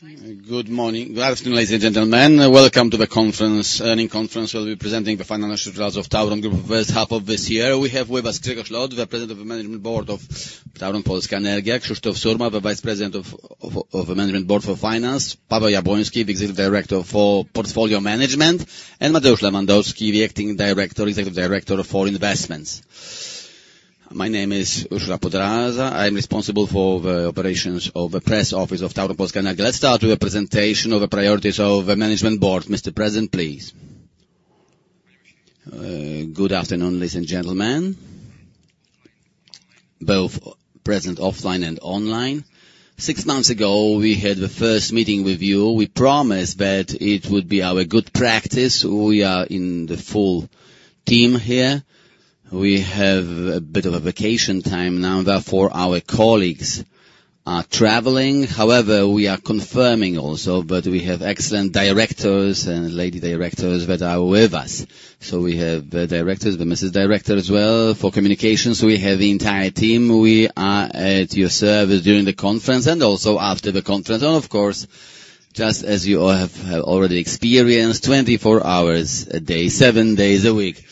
Good morning. Good afternoon, ladies and gentlemen. Welcome to the conference, earnings conference. We'll be presenting the financial results of Tauron Group for the first half of this year. We have with us Grzegorz Lot, the President of the Management Board of Tauron Polska Energia, Krzysztof Surma, the Vice President of the Management Board for Finance, Paweł Jabłoński, the Executive Director for Portfolio Management, and Mateusz Lewandowski, the Acting Director, Executive Director for Investments. My name is Urszula Podraza. I'm responsible for the operations of the press office of Tauron Polska Energia. Let's start with a presentation of the priorities of the management board. Mr. President, please. Good afternoon, ladies and gentlemen, both present offline and online. Six months ago, we had the first meeting with you. We promised that it would be our good practice. We are in the full team here. We have a bit of a vacation time now, therefore, our colleagues are traveling. However, we are confirming also that we have excellent directors and lady directors that are with us. So we have the directors, the Mrs. Director as well. For communications, we have the entire team. We are at your service during the conference and also after the conference, and of course, just as you all have already experienced, twenty-four hours a day, seven days a week.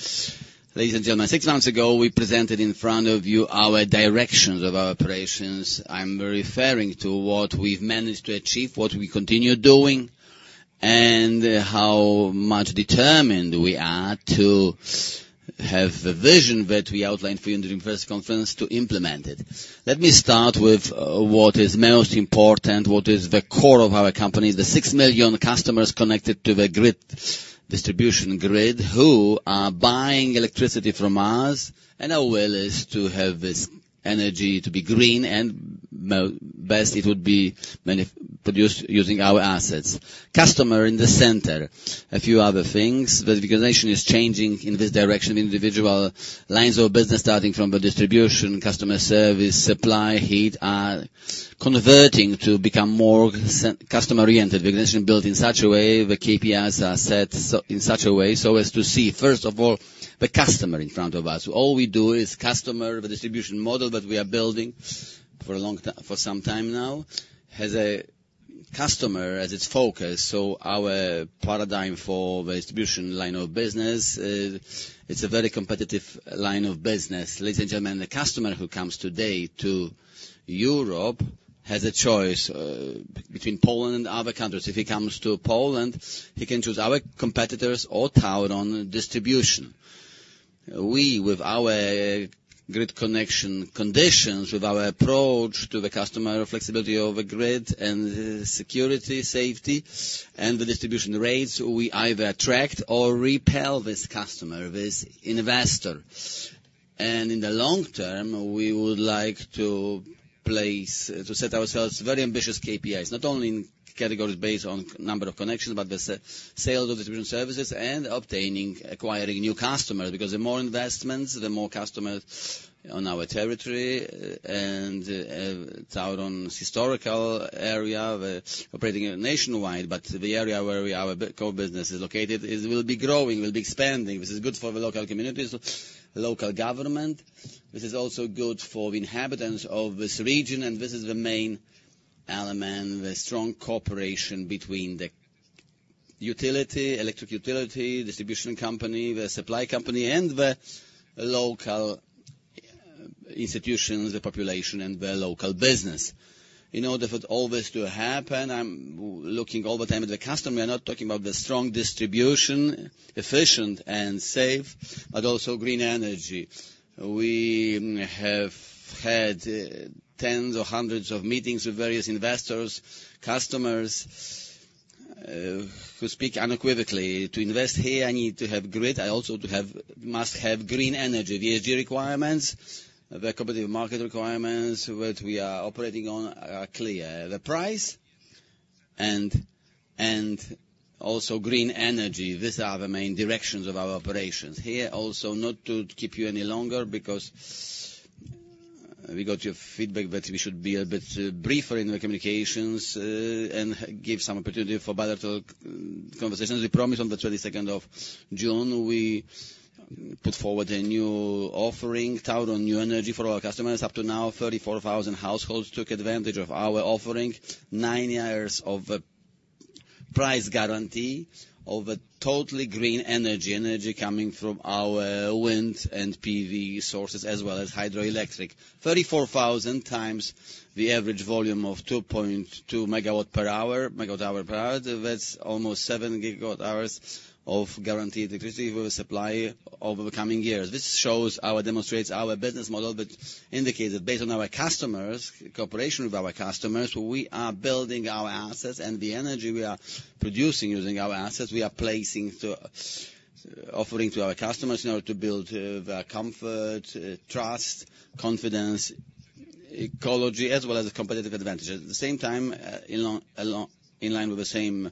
Ladies and gentlemen, six months ago, we presented in front of you our directions of our operations. I'm referring to what we've managed to achieve, what we continue doing, and how much determined we are to have the vision that we outlined for you during the first conference, to implement it. Let me start with what is most important, what is the core of our company, the six million customers connected to the grid, distribution grid, who are buying electricity from us, and our will is to have this energy to be green and best it would be produced using our assets. Customer in the center, a few other things, but the organization is changing in this direction. Individual lines of business, starting from the distribution, customer service, supply, heat, are converting to become more customer-oriented. The organization built in such a way, the KPIs are set in such a way, so as to see, first of all, the customer in front of us. All we do is customer. The distribution model that we are building for some time now, has a customer as its focus. So our paradigm for the distribution line of business, it's a very competitive line of business. Ladies and gentlemen, the customer who comes today to Europe has a choice between Poland and other countries. If he comes to Poland, he can choose our competitors or Tauron distribution. We, with our grid connection conditions, with our approach to the customer, flexibility of the grid and security, safety, and the distribution rates, we either attract or repel this customer, this investor. And in the long term, we would like to place, to set ourselves very ambitious KPIs, not only in categories based on number of connections, but the sales of distribution services and obtaining, acquiring new customers. Because the more investments, the more customers on our territory and, Tauron's historical area, we're operating nationwide, but the area where we, our core business is located, it will be growing, will be expanding. This is good for the local communities, local government. This is also good for the inhabitants of this region, and this is the main element, the strong cooperation between the utility, electric utility, distribution company, the supply company, and the local institutions, the population, and the local business. In order for all this to happen, I'm looking all the time at the customer. We are not talking about the strong distribution, efficient and safe, but also green energy. We have had tens or hundreds of meetings with various investors, customers, who speak unequivocally. "To invest here, I need to have grid. I also to have, must have green energy." The ESG requirements, the competitive market requirements, which we are operating on, are clear. The price and, and also green energy, these are the main directions of our operations. Here, also, not to keep you any longer, because we got your feedback that we should be a bit briefer in the communications, and give some opportunity for bilateral conversations. We promised on the twenty-second of June, we put forward a new offering, Tauron New Energy, for our customers. Up to now, thirty-four thousand households took advantage of our offering. Nine years of a price guarantee of a totally green energy, energy coming from our wind and PV sources, as well as hydroelectric. Thirty-four thousand times the average volume of two point two MW per hour, MW hour per hour, that's almost seven gigawatt hours of guaranteed electricity we will supply over the coming years. This shows our, demonstrates our business model, which indicates that based on our customers, cooperation with our customers, we are building our assets and the energy we are producing using our assets, we are offering to our customers in order to build their comfort, trust, confidence, ecology, as well as competitive advantage. At the same time, in line with the same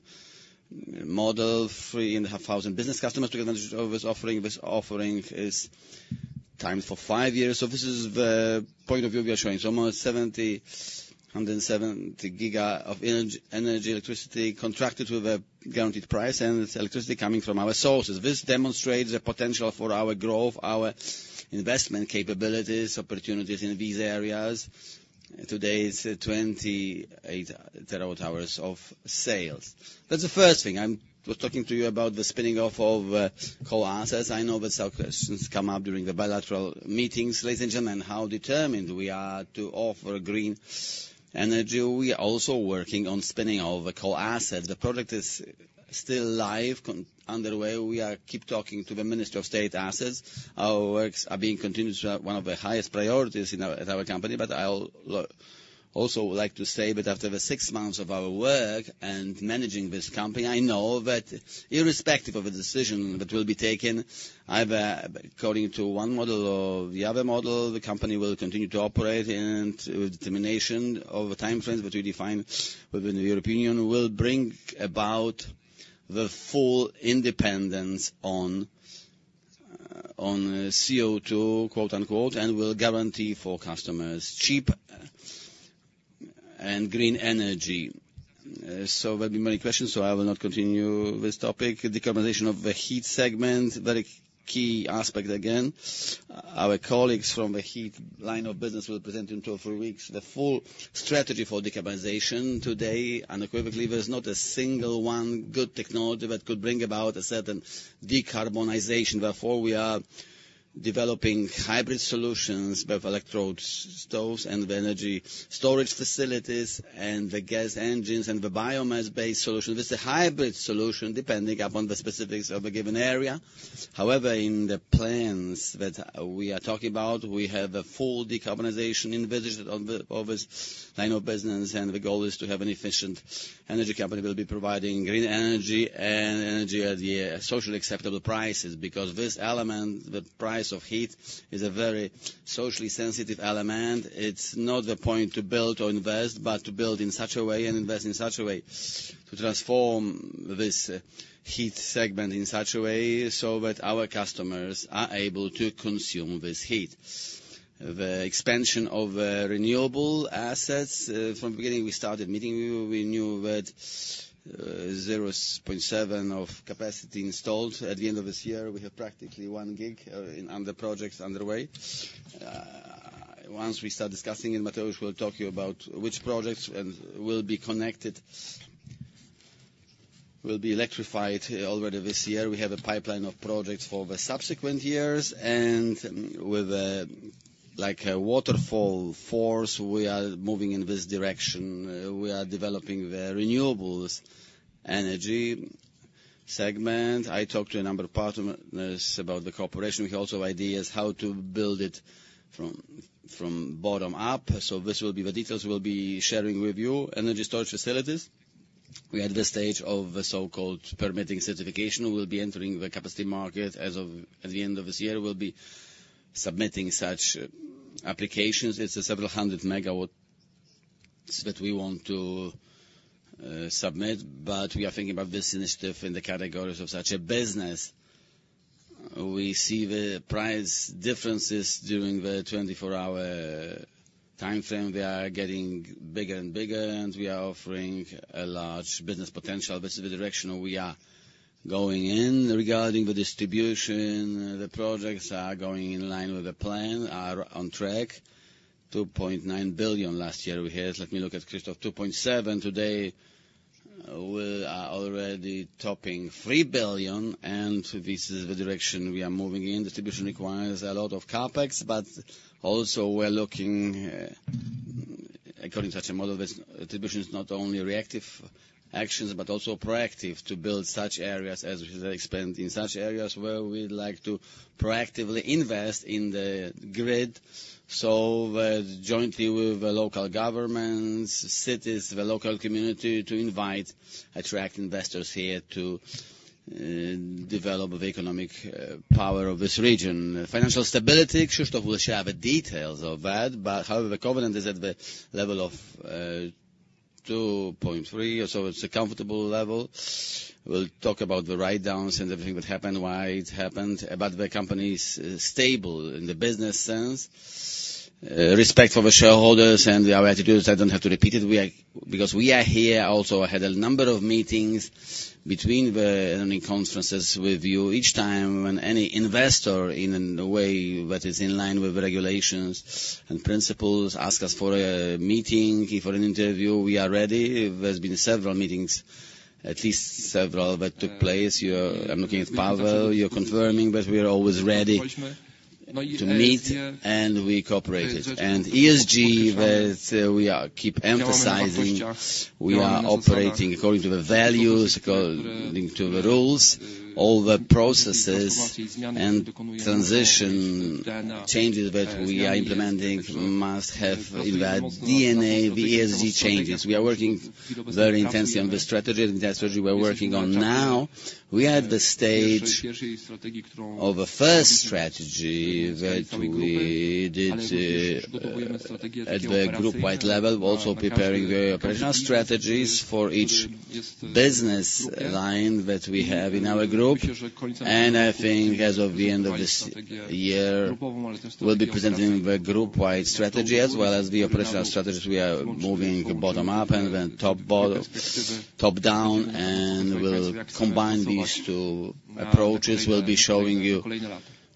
model, three and a half thousand business customers took advantage of this offering. This offering is timed for five years. This is the point of view we are showing. It's almost 70000 GW of energy, electricity, contracted with a guaranteed price, and it's electricity coming from our sources. This demonstrates the potential for our growth, our investment capabilities, opportunities in these areas.... Today is 28 TWh of sales. That's the first thing. I was talking to you about the spinning off of coal assets. I know that some questions come up during the bilateral meetings, ladies and gentlemen, how determined we are to offer green energy. We are also working on spinning off the coal assets. The product is still live, underway. We are keep talking to the Ministry of State Assets. Our works are being continued as one of the highest priorities in our, at our company. But I'll also like to say that after the six months of our work and managing this company, I know that irrespective of the decision that will be taken, either according to one model or the other model, the company will continue to operate, and with determination over timeframes which we define within the European Union, will bring about the full independence on, on CO2, quote-unquote, and will guarantee for customers cheap and green energy. So there'll be many questions, so I will not continue this topic. Decarbonization of the heat segment, very key aspect again. Our colleagues from the heat line of business will present in two or three weeks the full strategy for decarbonization. Today, unequivocally, there's not a single one good technology that could bring about a certain decarbonization. Therefore, we are developing hybrid solutions, both electrode stoves and the energy storage facilities, and the gas engines, and the biomass-based solution. This is a hybrid solution, depending upon the specifics of a given area. However, in the plans that we are talking about, we have a full decarbonization envisaged of this line of business, and the goal is to have an efficient energy company that will be providing green energy and energy at yeah, socially acceptable prices. Because this element, the price of heat, is a very socially sensitive element. It's not the point to build or invest, but to build in such a way and invest in such a way to transform this heat segment in such a way so that our customers are able to consume this heat. The expansion of renewable assets from the beginning we started meeting you. We knew that 0.7 of capacity installed. At the end of this year, we have practically one gig in projects underway. Once we start discussing, and Mateusz will talk to you about which projects and will be connected, will be electrified already this year. We have a pipeline of projects for the subsequent years, and with a like a waterfall force, we are moving in this direction. We are developing the renewable energy segment. I talked to a number of partners about the cooperation. We have also ideas how to build it from from bottom up, so this will be the details we'll be sharing with you. Energy storage facilities, we are at the stage of the so-called permitting certification. We'll be entering the capacity market as of, at the end of this year. We'll be submitting such applications. It's several hundred MWs that we want to submit, but we are thinking about this initiative in the categories of such a business. We see the price differences during the twenty-four-hour timeframe. They are getting bigger and bigger, and we are offering a large business potential. This is the direction we are going in. Regarding the distribution, the projects are going in line with the plan, are on track. 2.9 billion last year, we had. Let me look at Krzysztof. 2.7 billion, today we are already topping 3 billion, and this is the direction we are moving in. Distribution requires a lot of CapEx, but also we're looking according to such a model, which distribution is not only reactive actions, but also proactive, to build such areas as we expand in such areas where we'd like to proactively invest in the grid. So, jointly with the local governments, cities, the local community, to invite, attract investors here to develop the economic power of this region. Financial stability, Krzysztof will share the details of that, but however, the covenant is at the level of 2.3, so it's a comfortable level. We'll talk about the write-downs and everything that happened, why it happened, but the company's stable in the business sense. Respect for the shareholders and our attitudes, I don't have to repeat it. We are, because we are here also, I had a number of meetings between the earnings conferences with you. Each time when any investor, in a way that is in line with the regulations and principles, ask us for a meeting, for an interview, we are ready. There's been several meetings, at least several, that took place. You're, I'm looking at Paweł, you're confirming that we are always ready?... to meet, and we cooperated. And ESG, that we are keep emphasizing, we are operating according to the values, according to the rules. All the processes and transition changes that we are implementing must have in the DNA, the ESG changes. We are working very intensely on the strategy, and that strategy we're working on now. We are at the stage of a first strategy that we did at the group-wide level, also preparing the operational strategies for each business line that we have in our group. I think as of the end of this year, we'll be presenting the group-wide strategy, as well as the operational strategies. We are moving bottom up and then top down, and we'll combine these two approaches. We'll be showing you,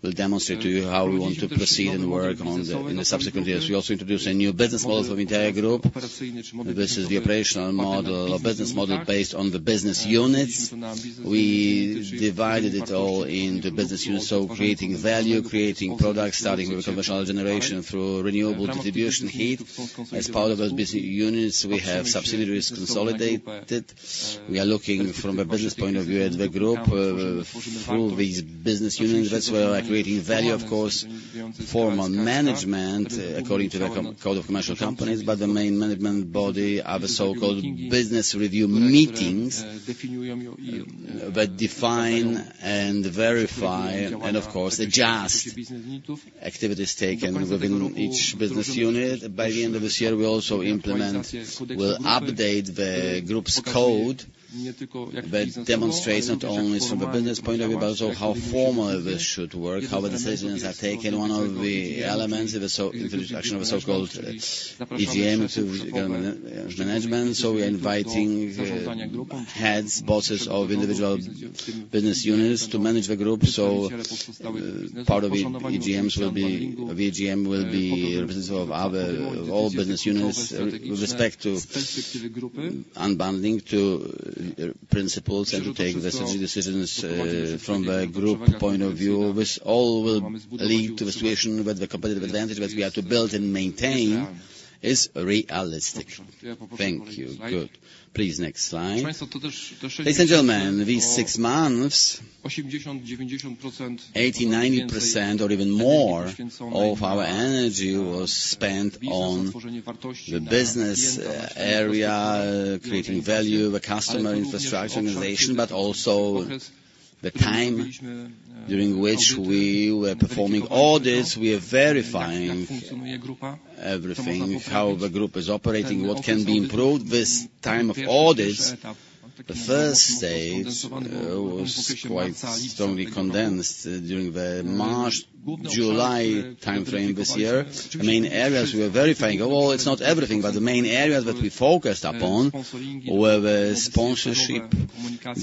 we'll demonstrate to you how we want to proceed and work on the in the subsequent years. We also introduce a new business model for the entire group. This is the operational model or business model based on the business units. We divided it all into business units, so creating value, creating products, starting with commercial generation through renewable distribution heat. As part of those business units, we have subsidiaries consolidated. We are looking from a business point of view at the group through these business units. That's where we are creating value. Of course, formal management according to the Code of Commercial Companies, but the main management body are the so-called business review meetings that define and verify, and of course, adjust activities taken within each business unit. By the end of this year, we'll also update the group's code that demonstrates not only from a business point of view, but also how formally this should work, how the decisions are taken. One of the elements, the introduction of the so-called EDM to management. So we're inviting heads, bosses of individual business units to manage the group. So, part of the EDMs will be. The EDM will be representative of other all business units with respect to unbundling principles and to take the strategy decisions from the group point of view. This all will lead to the situation where the competitive advantage that we have to build and maintain is realistic. Thank you. Good. Please, next slide. Ladies and gentlemen, these six months, 80-90% or even more of our energy was spent on the business area, creating value, the customer infrastructure, organization, but also the time during which we were performing audits. We are verifying everything, how the group is operating, what can be improved. This time of audits, the first stage, was quite strongly condensed during the March, July timeframe this year. The main areas we are verifying, well, it's not everything, but the main areas that we focused upon were the sponsorship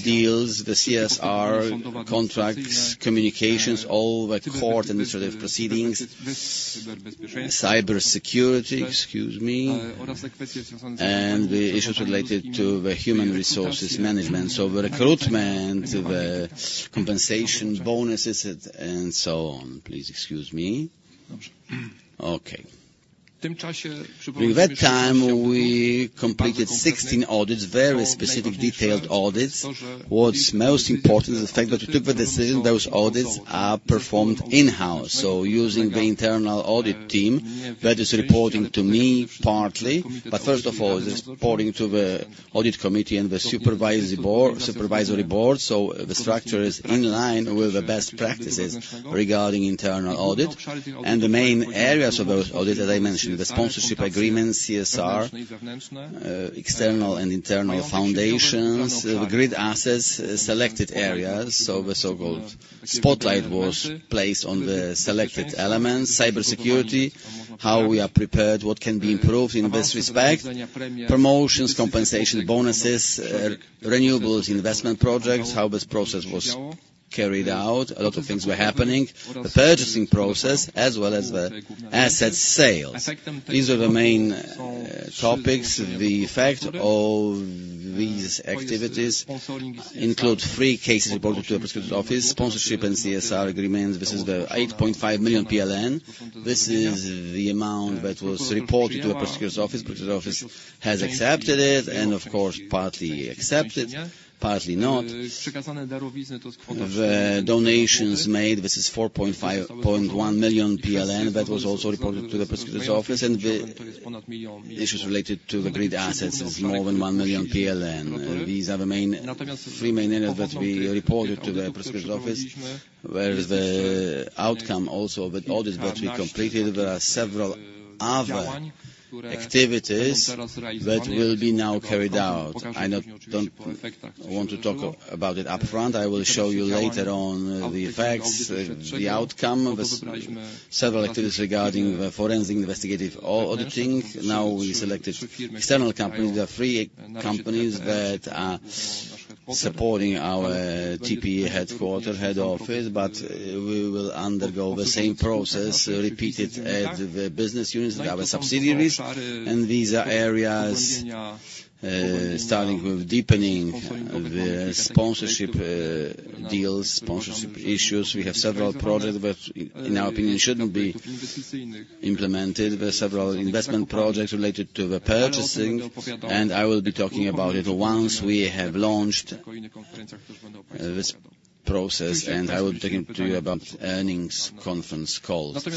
deals, the CSR contracts, communications, all the court and administrative proceedings, cybersecurity, excuse me, and the issues related to the human resources management. So the recruitment, the compensation, bonuses, and so on. Please excuse me. Okay. During that time, we completed 16 audits, very specific, detailed audits. What's most important is the fact that we took the decision, those audits are performed in-house, so using the internal audit team that is reporting to me partly, but first of all, is reporting to the audit committee and the supervisory board. So the structure is in line with the best practices regarding internal audit. The main areas of those audit, as I mentioned, the sponsorship agreements, CSR, external and internal foundations, the grid assets, selected areas, so the so-called spotlight was placed on the selected elements, cybersecurity, how we are prepared, what can be improved in this respect, promotions, compensation, bonuses, renewables, investment projects, how this process was carried out. A lot of things were happening. The purchasing process, as well as the asset sale. These are the main topics. The effect of these activities include three cases reported to the Prosecutor's Office, sponsorship and CSR agreements. This is the 8.5 million PLN. This is the amount that was reported to the Prosecutor's Office. Prosecutor's Office has accepted it, and of course, partly accepted, partly not. The donations made, this is 4.51 million PLN, that was also reported to the Prosecutor's Office, and the issues related to the grid assets is more than 1 million PLN. These are the three main areas that we reported to the Prosecutor's Office, where the outcome also of the audits that we completed, there are several other activities that will be now carried out. I don't want to talk about it up front. I will show you later on the effects, the outcome of the several activities regarding the forensic investigative auditing. Now, we selected external companies. There are three companies that are supporting our TPE headquarters head office, but we will undergo the same process, repeated at the business units and other subsidiaries. These are areas starting with deepening the sponsorship deals, sponsorship issues. We have several projects that, in our opinion, shouldn't be implemented. There are several investment projects related to the purchasing, and I will be talking about it once we have launched this process, and I will be talking to you about earnings conference calls, and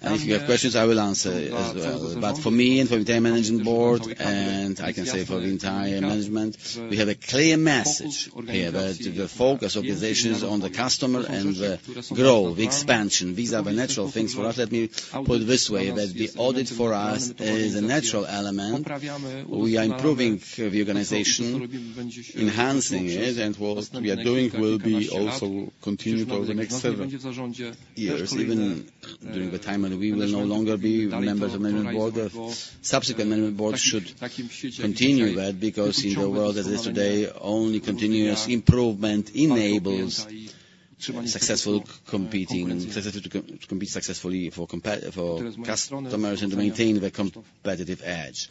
if you have questions, I will answer as well. But for me, and for the entire management board, and I can say for the entire management, we have a clear message here, that the focus of organization is on the customer and the growth, the expansion. These are the natural things for us. Let me put it this way, that the audit for us is a natural element. We are improving the organization, enhancing it, and what we are doing will be also continued for the next several years, even during the time when we will no longer be members of the management board. The subsequent management board should continue that, because in the world as it is today, only continuous improvement enables successful competing and to compete successfully for customers and to maintain the competitive edge.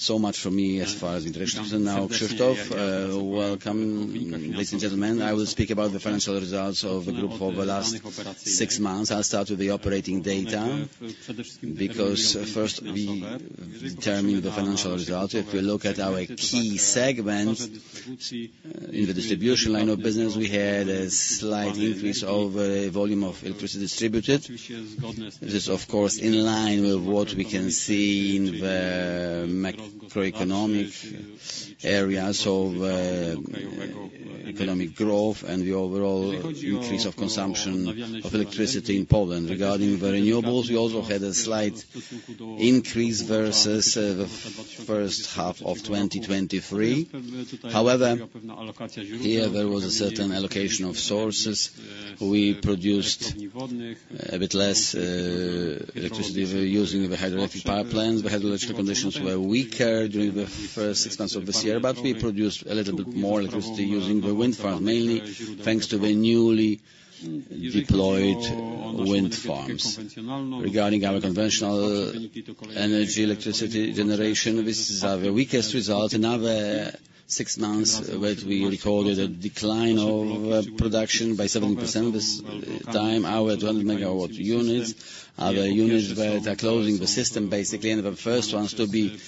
So much for me, as far as introduction. And now, Krzysztof, welcome, ladies and gentlemen. I will speak about the financial results of the group over the last six months. I'll start with the operating data, because first, we determine the financial result. If you look at our key segment in the distribution line of business, we had a slight increase over volume of electricity distributed. This is, of course, in line with what we can see in the areas of economic growth and the overall increase of consumption of electricity in Poland. Regarding the renewables, we also had a slight increase versus the first half of 2023. However, here there was a certain allocation of sources. We produced a bit less electricity using the hydroelectric power plants. The hydrological conditions were weaker during the first six months of this year, but we produced a little bit more electricity using the wind farm, mainly thanks to the newly deployed wind farms. Regarding our conventional energy, electricity generation, this is our weakest result. Another six months where we recorded a decline of production by 17% this time. Our 12 MW units are the units where they're closing the system, basically, and the first ones to be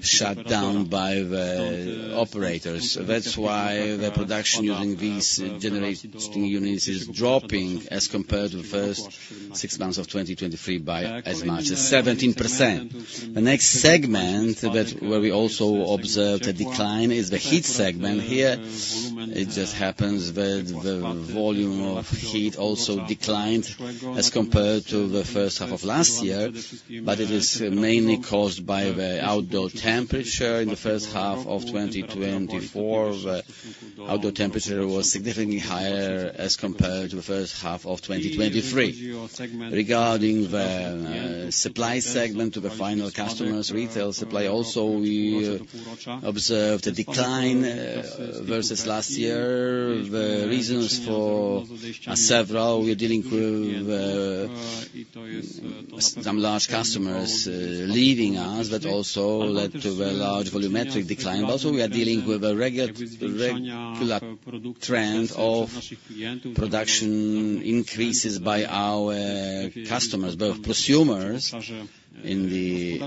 shut down by the operators. That's why the production using these generating units is dropping as compared to the first six months of 2023 by as much as 17%. The next segment where we also observed a decline is the heat segment. Here, it just happens that the volume of heat also declined as compared to the first half of last year, but it is mainly caused by the outdoor temperature. In the first half of twenty twenty-four, the outdoor temperature was significantly higher as compared to the first half of twenty twenty-three. Regarding the supply segment to the final customers, retail supply, also, we observed a decline versus last year. The reasons for are several. We are dealing with some large customers leaving us, that also led to a large volumetric decline. But also, we are dealing with a regular trend of production increases by our customers, both prosumers in the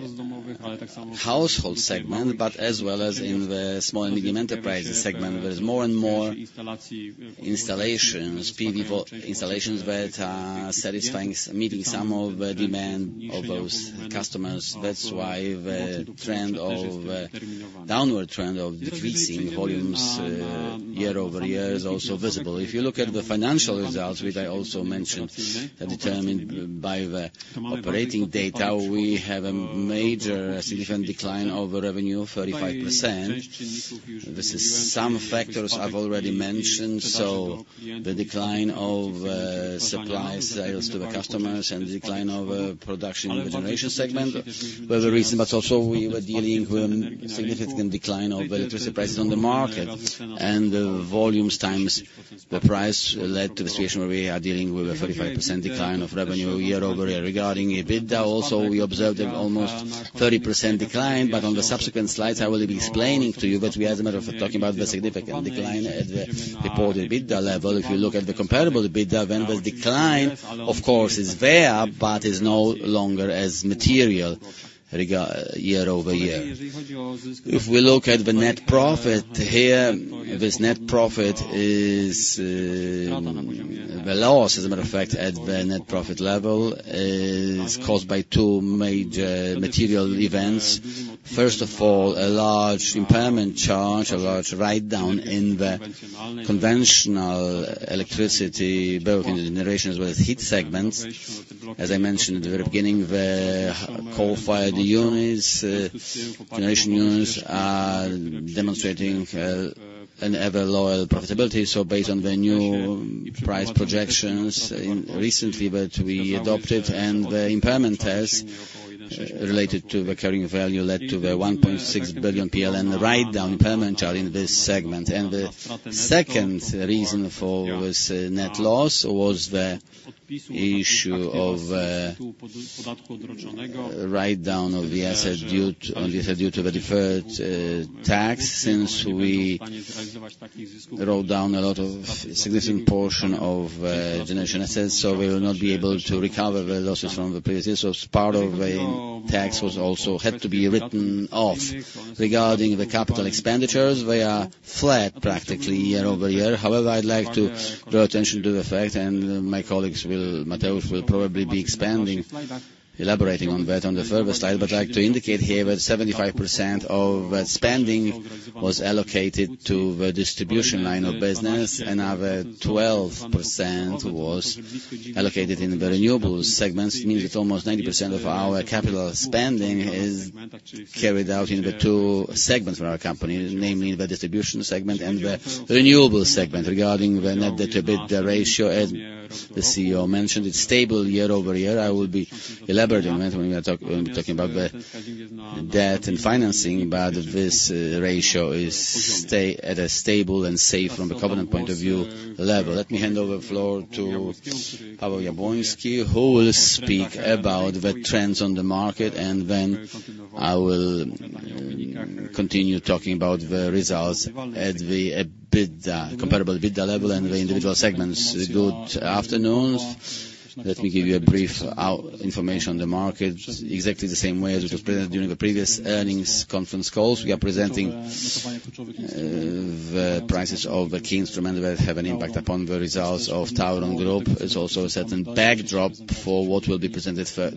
household segment, but as well as in the small and medium enterprises segment. There is more and more installations, PV installations, that are satisfying, meeting some of the demand of those customers. That's why the trend of downward trend of decreasing volumes year-over-year is also visible. If you look at the financial results, which I also mentioned, are determined by the operating data, we have a major significant decline of revenue, 35%. This is some factors I've already mentioned, so the decline of supplies sales to the customers and the decline of production in the generation segment were the reason. But also, we were dealing with a significant decline of electricity prices on the market, and the volumes times the price led to the situation where we are dealing with a 35% decline of revenue year over year. Regarding EBITDA, also, we observed an almost 30% decline, but on the subsequent slides, I will be explaining to you that we as a matter of fact, talking about the significant decline at the reported EBITDA level. If you look at the comparable EBITDA, then the decline, of course, is there, but is no longer as material regarding year over year. If we look at the net profit, here, this net profit is. The loss, as a matter of fact, at the net profit level, is caused by two major material events. First of all, a large impairment charge, a large write down in the conventional electricity, both in the generations with heat segments. As I mentioned at the very beginning, the coal-fired units, generation units, are demonstrating an ever lower profitability. Based on the new price projections recently that we adopted, and the impairment test related to the carrying value led to the 1.6 billion PLN write-down impairment charge in this segment. The second reason for this net loss was the issue of write-down of the asset due to the deferred tax. Since we wrote down a lot of significant portion of generation assets, so we will not be able to recover the losses from the previous years. So part of the tax was also had to be written off. Regarding the capital expenditures, they are flat practically year-over-year. However, I'd like to draw attention to the fact, and my colleagues will, Mateusz, will probably be expanding, elaborating on that on the further slide. But I'd like to indicate here that 75% of spending was allocated to the distribution line of business, another 12% was allocated in the renewables segments. Means that almost 90% of our capital spending is carried out in the two segments of our company, namely the distribution segment and the renewable segment. Regarding the net debt to EBITDA ratio, as the CEO mentioned, it's stable year-over-year. I will be elaborating on it when we're talking about the debt and financing, but this ratio stays at a stable and safe from a covenant point of view level. Let me hand over the floor to Paweł Jabłoński, who will speak about the trends on the market, and then I will continue talking about the results at the EBITDA, comparable EBITDA level and the individual segments. Good afternoon. Let me give you a brief out information on the market. Exactly the same way as it was presented during the previous earnings conference calls. We are presenting the prices of the key instrument that have an impact upon the results of Tauron Group. It's also a certain backdrop for what will be presented for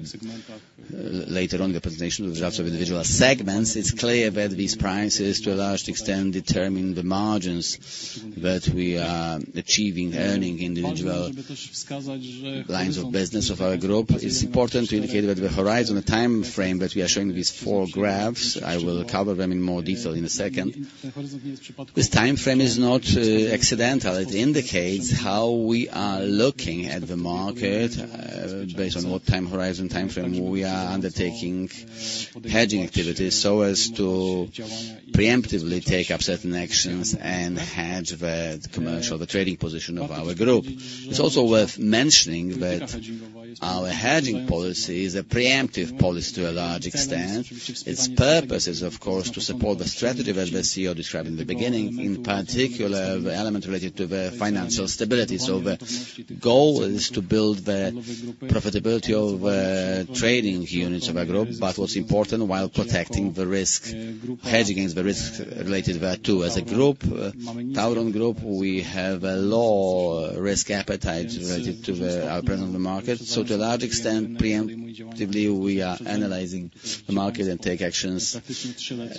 later on the presentation of the results of individual segments. It's clear that these prices, to a large extent, determine the margins that we are achieving, earning individual lines of business of our group. It's important to indicate that the horizon, the timeframe, that we are showing these four graphs, I will cover them in more detail in a second. This timeframe is not accidental. It indicates how we are looking at the market, based on what time horizon, timeframe we are undertaking hedging activities, so as to preemptively take up certain actions and hedge the commercial, the trading position of our group. It's also worth mentioning that our hedging policy is a preemptive policy to a large extent. Its purpose is, of course, to support the strategy that the CEO described in the beginning, in particular, the element related to the financial stability. So the goal is to build the profitability of, trading units of our group, but what's important, while protecting the risk, hedging the risk related thereto. As a group, Tauron Group, we have a low risk appetite related to our presence on the market. So to a large extent, preemptively, we are analyzing the market and take actions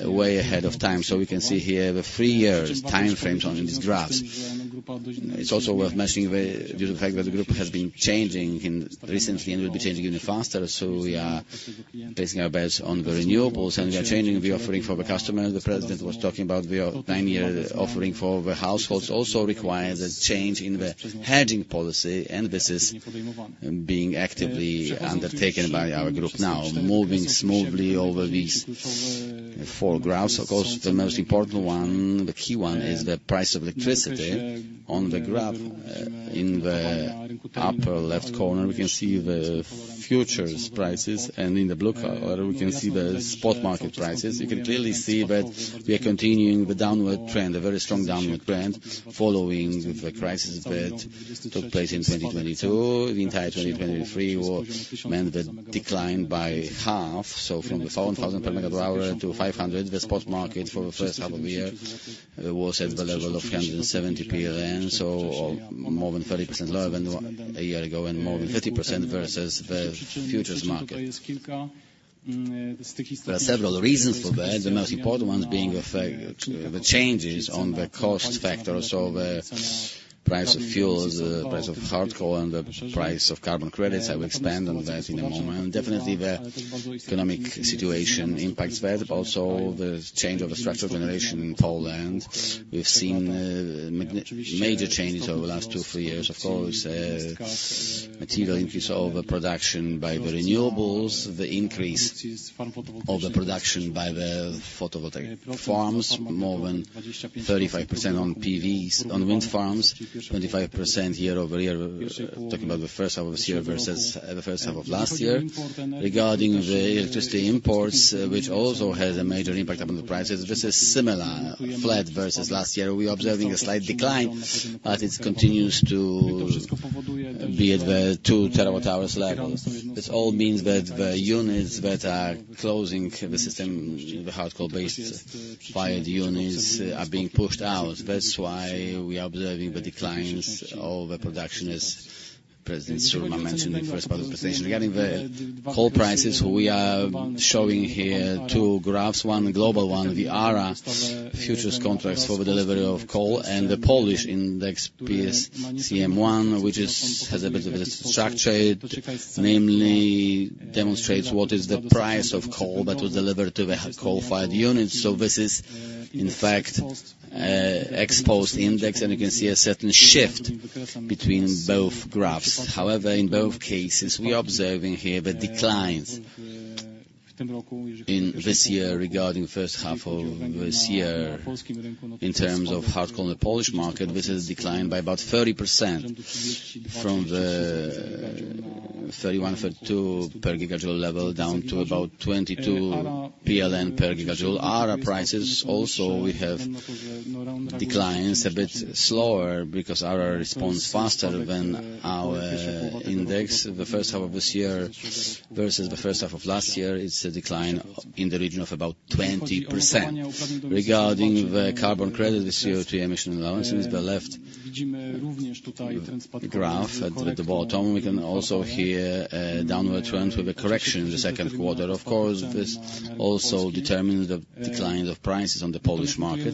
way ahead of time. So we can see here the three-year timeframes on these graphs. It's also worth mentioning the, due to the fact that the group has been changing recently and will be changing even faster, so we are placing our bets on the renewables, and we are changing the offering for the customer. The president was talking about the nine-year offering for the households also requires a change in the hedging policy, and this is being actively undertaken by our group now. Moving smoothly over these four graphs, of course, the most important one, the key one, is the price of electricity. On the graph, in the upper left corner, we can see the futures prices, and in the blue color, we can see the spot market prices. You can clearly see that we are continuing the downward trend, a very strong downward trend, following the crisis that took place in 2022. The entire 2023 were meant the decline by half, so from the 4,000 per MW hour to 500. The spot market for the first half of the year was at the level of 170 PLN, so more than 30% lower than a year ago and more than 50% versus the futures market. There are several reasons for that. The most important ones being the fact, the changes on the cost factor, so the price of fuels, the price of hard coal, and the price of carbon credits. I will expand on that in a moment. Definitely, the economic situation impacts that, but also the change of the structure of generation in Poland. We've seen major changes over the last two, three years. Of course, material increase over production by the renewables, the increase of the production by the photovoltaic farms, more than 35% on PVs. On wind farms, 25% year-over-year, talking about the first half of this year versus the first half of last year. Regarding the electricity imports, which also has a major impact on the prices, this is similar, flat versus last year. We are observing a slight decline, but it continues to be at the 2 TWh level. This all means that the units that are closing the system, the hard coal-fired units, are being pushed out. That's why we are observing the declines of the production as President Surma mentioned in the first part of the presentation. Regarding the coal prices, we are showing here two graphs, one global one, the ARA futures contracts for the delivery of coal, and the Polish index, PSCMI 1, which is, has a bit of a structure. It namely demonstrates what is the price of coal that was delivered to the coal-fired unit. So this is, in fact, ex-post index, and you can see a certain shift between both graphs. However, in both cases, we are observing here the declines. In this year, regarding first half of this year, in terms of hard coal in the Polish market, this has declined by about 30% from the 31-32 per gigajoule level, down to about 22 PLN per gigajoule. ARA prices also, we have declines a bit slower because ARA responds faster than our, index. The first half of this year versus the first half of last year, it's a decline in the region of about 20%. Regarding the carbon credit, the CO2 emission allowances, the left graph at the bottom, we can also see here a downward trend with a correction in the second quarter. Of course, this also determines the decline of prices on the Polish market.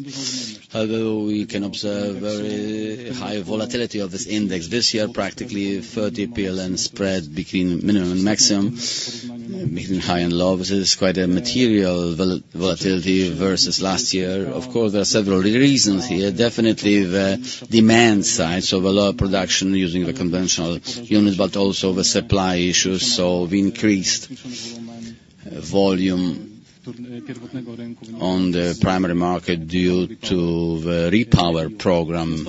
Although we can observe very high volatility of this index, this year, practically 30 PLN spread between minimum and maximum, between high and low. This is quite a material volatility versus last year. Of course, there are several reasons here. Definitely, the demand side, so the lower production using the conventional units, but also the supply issues, so the increased volume on the primary market due to the repower program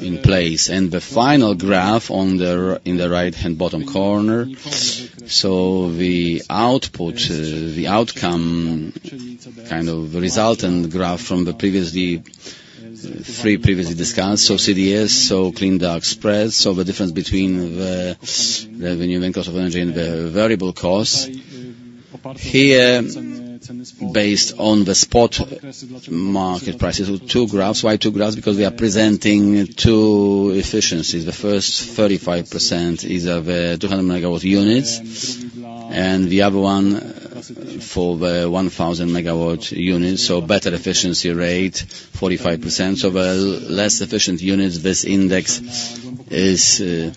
in place. And the final graph in the right-hand bottom corner. The output, the outcome, kind of the result and graph from the three previously discussed, so CDS, so clean dark spreads, so the difference between the revenue and cost of energy and the variable costs. Here, based on the spot market prices, two graphs. Why two graphs? Because we are presenting two efficiencies. The first 35% is of a 200-MW units, and the other one for the 1,000-MW units, so better efficiency rate, 45%. The less efficient units, this index is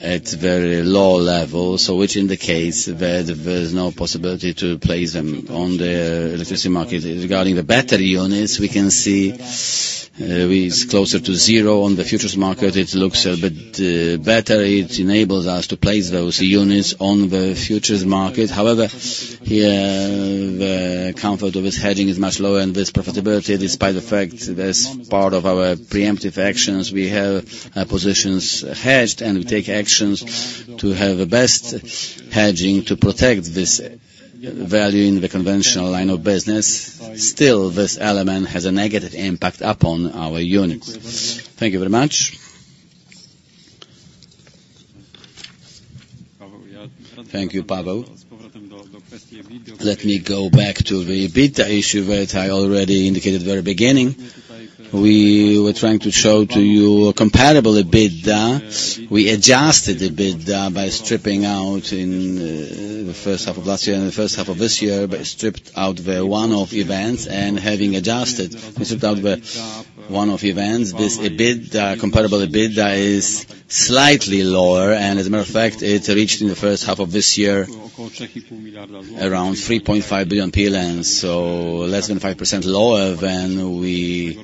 at very low level, so which indicates that there's no possibility to place them on the electricity market. Regarding the better units, we can see, it's closer to zero. On the futures market, it looks a bit better. It enables us to place those units on the futures market. However, here, the comfort of this hedging is much lower, and this profitability, despite the fact that as part of our preemptive actions, we have, positions hedged and we take actions to have the best hedging to protect this value in the conventional line of business, still, this element has a negative impact upon our units. Thank you very much. Thank you, Paweł. Let me go back to the EBITDA issue, which I already indicated at the very beginning. We were trying to show to you a comparable EBITDA. We adjusted EBITDA by stripping out in the first half of last year and the first half of this year, but stripped out the one-off events, and having adjusted, we stripped out the one-off events. This EBITDA, comparable EBITDA is slightly lower, and as a matter of fact, it reached in the first half of this year around 3.5 billion PLN, so less than 5% lower than we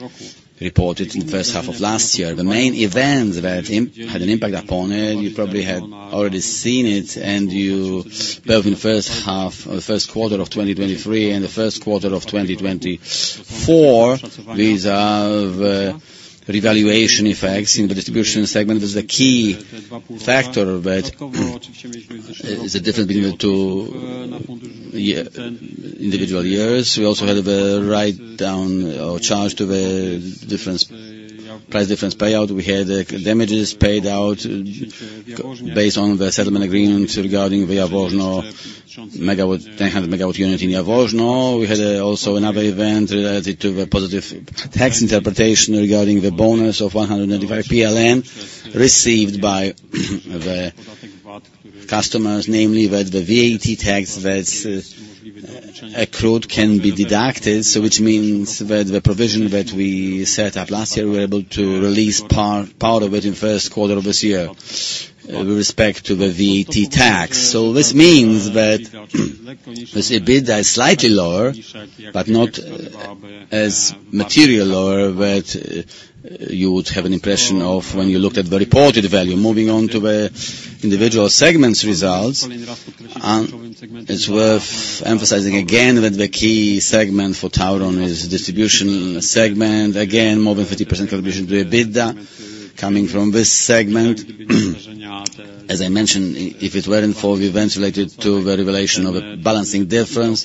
reported in the first half of last year. The main events that had an impact upon it, you probably have already seen it, and you, both in the first half or the first quarter of 2023 and the first quarter of 2024, these are the revaluation effects in the distribution segment. There's a key factor, but there's a difference between the two individual years. We also had the write down or charge to the difference, price difference payout. We had damages paid out based on the settlement agreement regarding the Jaworzno 910-MW unit in Jaworzno. We had also another event related to the positive tax interpretation regarding the bonus of 185 PLN received by the customers, namely that the VAT tax that's accrued can be deducted. Which means that the provision that we set up last year, we were able to release part of it in the first quarter of this year with respect to the VAT tax. This means that this EBITDA is slightly lower, but not as material lower, that you would have an impression of when you looked at the reported value. Moving on to the individual segments results, and it's worth emphasizing again that the key segment for Tauron is distribution segment. Again, more than 50% contribution to EBITDA coming from this segment. As I mentioned, if it weren't for the events related to the revelation of a balancing difference,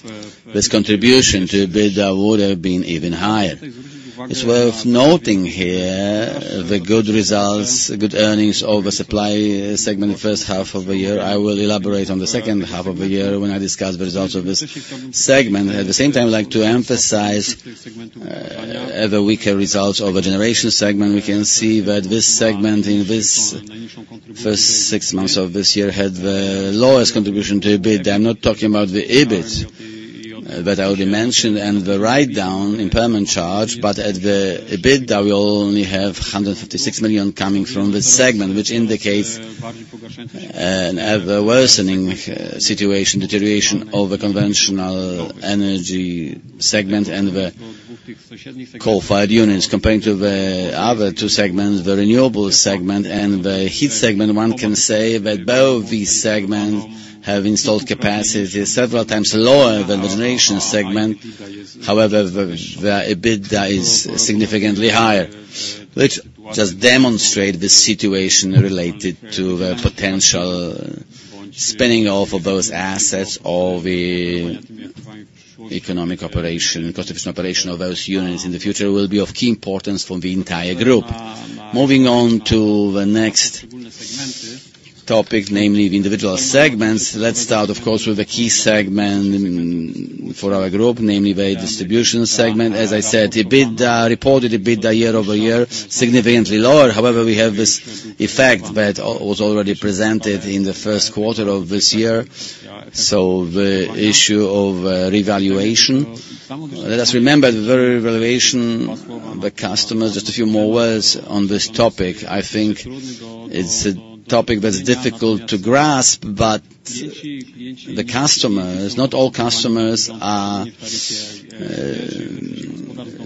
this contribution to EBITDA would have been even higher. It's worth noting here the good results, good earnings of the supply segment first half of the year. I will elaborate on the second half of the year when I discuss the results of this segment. At the same time, I'd like to emphasize the weaker results of the generation segment. We can see that this segment in this first six months of this year had the lowest contribution to EBITDA. I'm not talking about the EBIT, but I already mentioned, and the write-down impairment charge, but at the EBITDA, we only have 156 million coming from this segment, which indicates an ever-worsening situation, deterioration of the conventional energy segment and the coal-fired units. Comparing to the other two segments, the renewables segment and the heat segment, one can say that both these segments have installed capacity several times lower than the generation segment. However, the EBITDA is significantly higher, which just demonstrate the situation related to the potential spinning off of those assets or the economic operation, cost-efficient operation of those units in the future will be of key importance for the entire group. Moving on to the next topic, namely the individual segments. Let's start, of course, with the key segment for our group, namely the distribution segment. As I said, EBITDA, reported EBITDA year-over-year, significantly lower. However, we have this effect that was already presented in the first quarter of this year, so the issue of revaluation. Let us remember, the very revaluation, the customers. Just a few more words on this topic. I think it's a topic that's difficult to grasp, but the customers, not all customers are.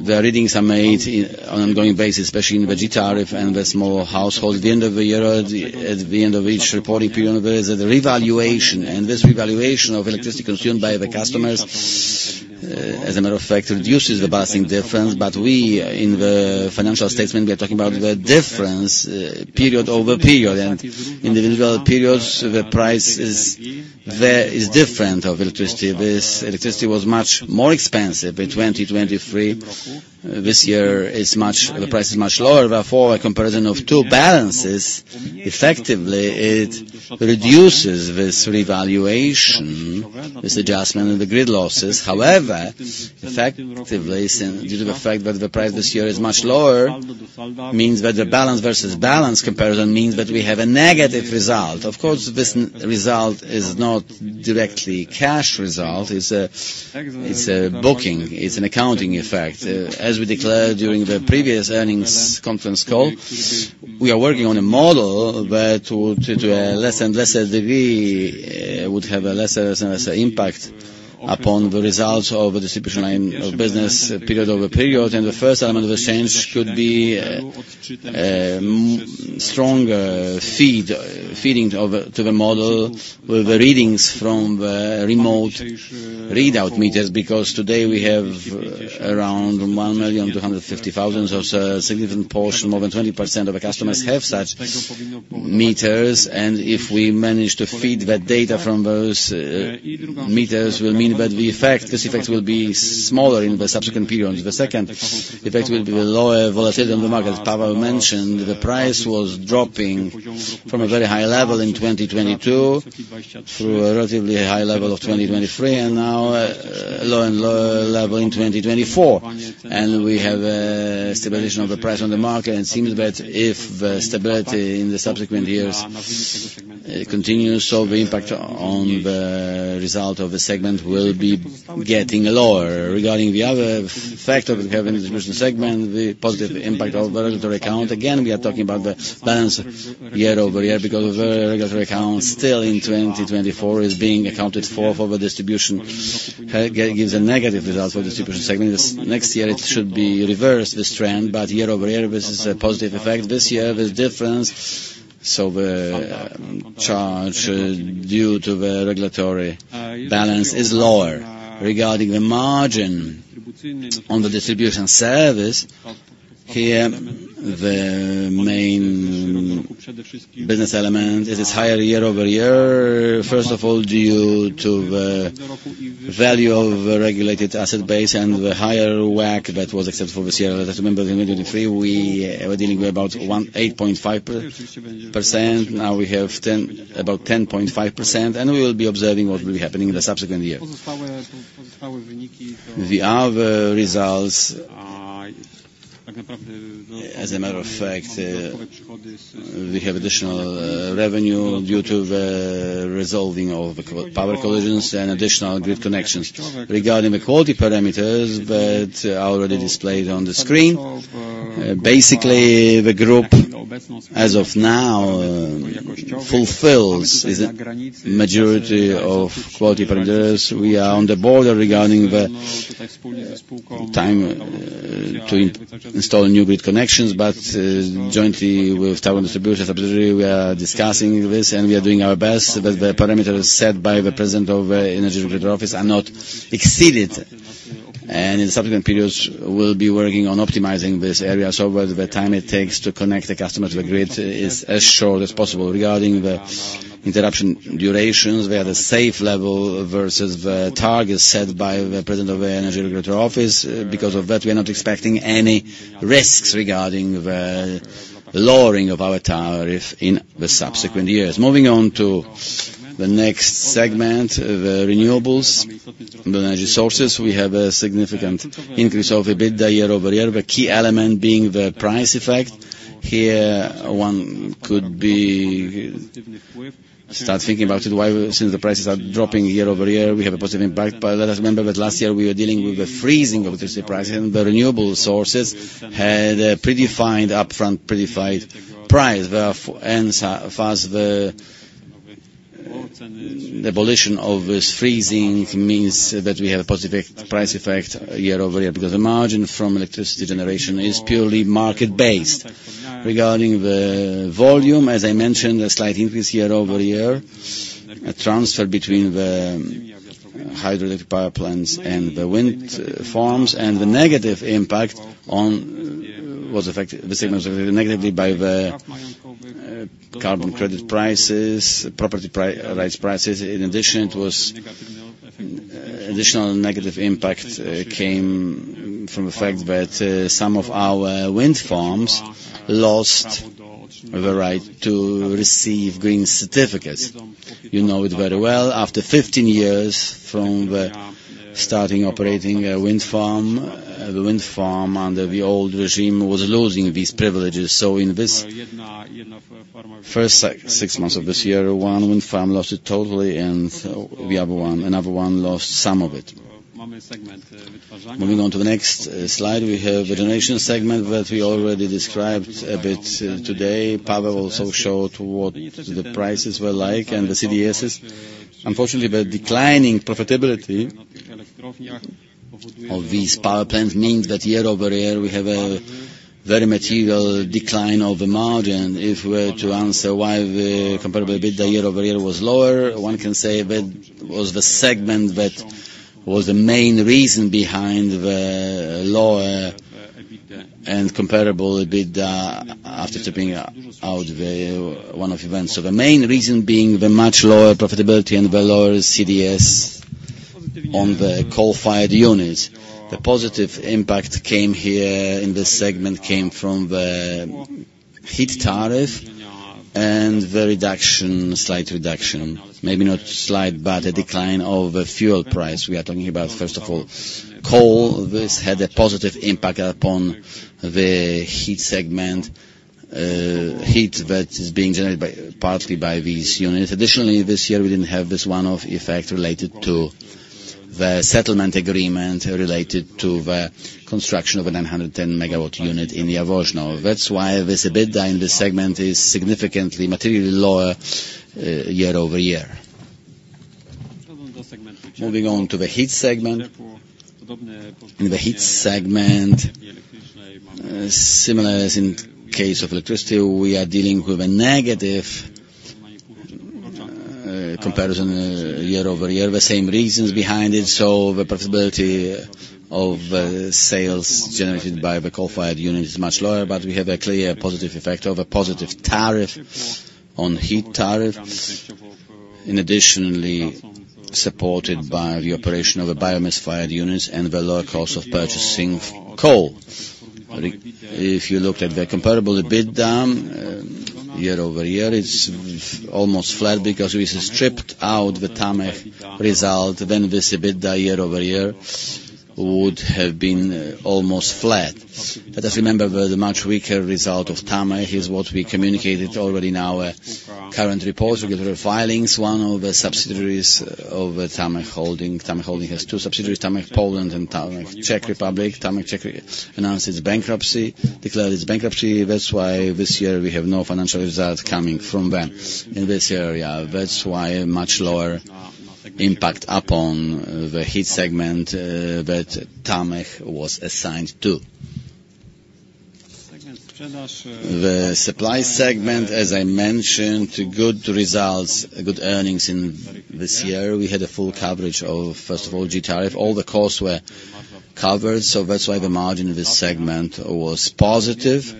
The readings are made on an ongoing basis, especially in the G Tariff and the small households. At the end of the year, at the end of each reporting period, there is a revaluation, and this revaluation of electricity consumed by the customers, as a matter of fact, reduces the balancing difference. But we, in the financial statement, we are talking about the difference, period-over-period, and individual periods, the price is, there is different of electricity. This electricity was much more expensive in 2023. This year the price is much lower. Therefore, a comparison of two balances effectively reduces this revaluation, this adjustment, and the grid losses. However, effectively, due to the fact that the price this year is much lower, the balance versus balance comparison means that we have a negative result. Of course, this result is not directly cash result; it's a booking; it's an accounting effect. As we declared during the previous earnings conference call, we are working on a model where, to a lesser and lesser degree, would have a lesser and lesser impact upon the results of the distribution line of business period over period. The first element of the change could be a stronger feed, feeding to the model with the readings from the remote readout meters, because today we have around one million two hundred and fifty thousand, or so, a significant portion, more than 20% of the customers have such meters. If we manage to feed that data from those meters, it will mean that these effects will be smaller in the subsequent periods. The second effect will be the lower volatility on the market. As Paweł mentioned, the price was dropping from a very high level in 2022, through a relatively high level of 2023, and now, lower and lower level in 2024. We have stabilization of the price on the market, and it seems that if the stability in the subsequent years continues, so the impact on the result of the segment will be getting lower. Regarding the other factor we have in the distribution segment, the positive impact of the regulatory account. Again, we are talking about the balance year-over-year, because the regulatory account still in 2024 is being accounted for for the distribution gives a negative result for distribution segment. Next year, it should be reversed, this trend, but year-over-year, this is a positive effect. This year, there's difference, so the charge due to the regulatory balance is lower. Regarding the margin on the distribution service, here, the main business element is, it's higher year-over-year, first of all, due to the value of the regulated asset base and the higher WACC that was accepted for this year. Let's remember, in 2023, we were dealing with about 18.5%. Now we have 10, about 10.5%, and we will be observing what will be happening in the subsequent year. The other results, as a matter of fact, we have additional revenue due to the resolving of the power collisions and additional grid connections. Regarding the quality parameters that are already displayed on the screen, basically, the group, as of now, fulfills the majority of quality parameters. We are on the border regarding the time to install new grid connections, but jointly with Tauron Dystrybucja subsidiary, we are discussing this, and we are doing our best that the parameters set by the President of the Energy Regulatory Office are not exceeded, and in the subsequent periods, we'll be working on optimizing this area so that the time it takes to connect the customer to the grid is as short as possible. Regarding the interruption durations, we have a safe level versus the targets set by the President of the Energy Regulatory Office. Because of that, we are not expecting any risks regarding the lowering of our tariff in the subsequent years. Moving on to the next segment, the renewables, the energy sources, we have a significant increase of EBITDA year-over-year, the key element being the price effect. Here, one could start thinking about it, why, since the prices are dropping year-over-year, we have a positive impact, but let us remember that last year we were dealing with the freezing of the price, and the renewable sources had a predefined, upfront, predefined price. Therefore, the abolition of this freezing means that we have a positive price effect year-over-year, because the margin from electricity generation is purely market-based. Regarding the volume, as I mentioned, a slight increase year-over-year, a transfer between the hydroelectric power plants and the wind farms, and the negative impact on was affected, the signals affected negatively by the carbon credit prices, property rates prices. In addition, it was additional negative impact came from the fact that some of our wind farms lost the right to receive green certificates. You know it very well. After fifteen years from the starting operating a wind farm, the wind farm under the old regime was losing these privileges. So in this first six months of this year, one wind farm lost it totally, and the other one, another one lost some of it. Moving on to the next slide, we have the generation segment that we already described a bit today. Paweł also showed what the prices were like and the CDSs. Unfortunately, the declining profitability of these power plants means that year-over-year, we have a very material decline of the margin. If we were to answer why the comparable EBITDA year-over-year was lower, one can say that was the segment that was the main reason behind the lower and comparable EBITDA after stripping out the one-off events. So the main reason being the much lower profitability and the lower CDS on the coal-fired units. The positive impact came here in this segment, came from the heat tariff and the reduction, slight reduction, maybe not slight, but a decline of the fuel price. We are talking about, first of all, coal. This had a positive impact upon the heat segment, heat that is being generated by, partly by these units. Additionally, this year, we didn't have this one-off effect related to the settlement agreement related to the construction of a 910 MW unit in Jaworzno. That's why this EBITDA in this segment is significantly, materially lower, year-over-year. Moving on to the heat segment. In the heat segment, similar as in case of electricity, we are dealing with a negative, comparison year-over-year, the same reasons behind it. So the profitability of sales generated by the coal-fired unit is much lower, but we have a clear positive effect of a positive tariff on heat tariffs, and additionally, supported by the operation of the biomass-fired units and the lower cost of purchasing coal. If you looked at the comparable EBITDA year-over-year, it's almost flat because we stripped out the TAMEH result, then this EBITDA year-over-year would have been almost flat. Let us remember, the much weaker result of TAMEH is what we communicated already in our current report. We did the filings, one of the subsidiaries of TAMEH Holding. TAMEH Holding has two subsidiaries, TAMEH Poland and TAMEH Czech Republic. TAMEH Czech announced its bankruptcy, declared its bankruptcy. That's why this year we have no financial result coming from them in this area. That's why a much lower impact upon the heat segment that TAMEH was assigned to. The supply segment, as I mentioned, good results, good earnings in this year. We had a full coverage of, first of all, G tariff. All the costs were covered, so that's why the margin in this segment was positive.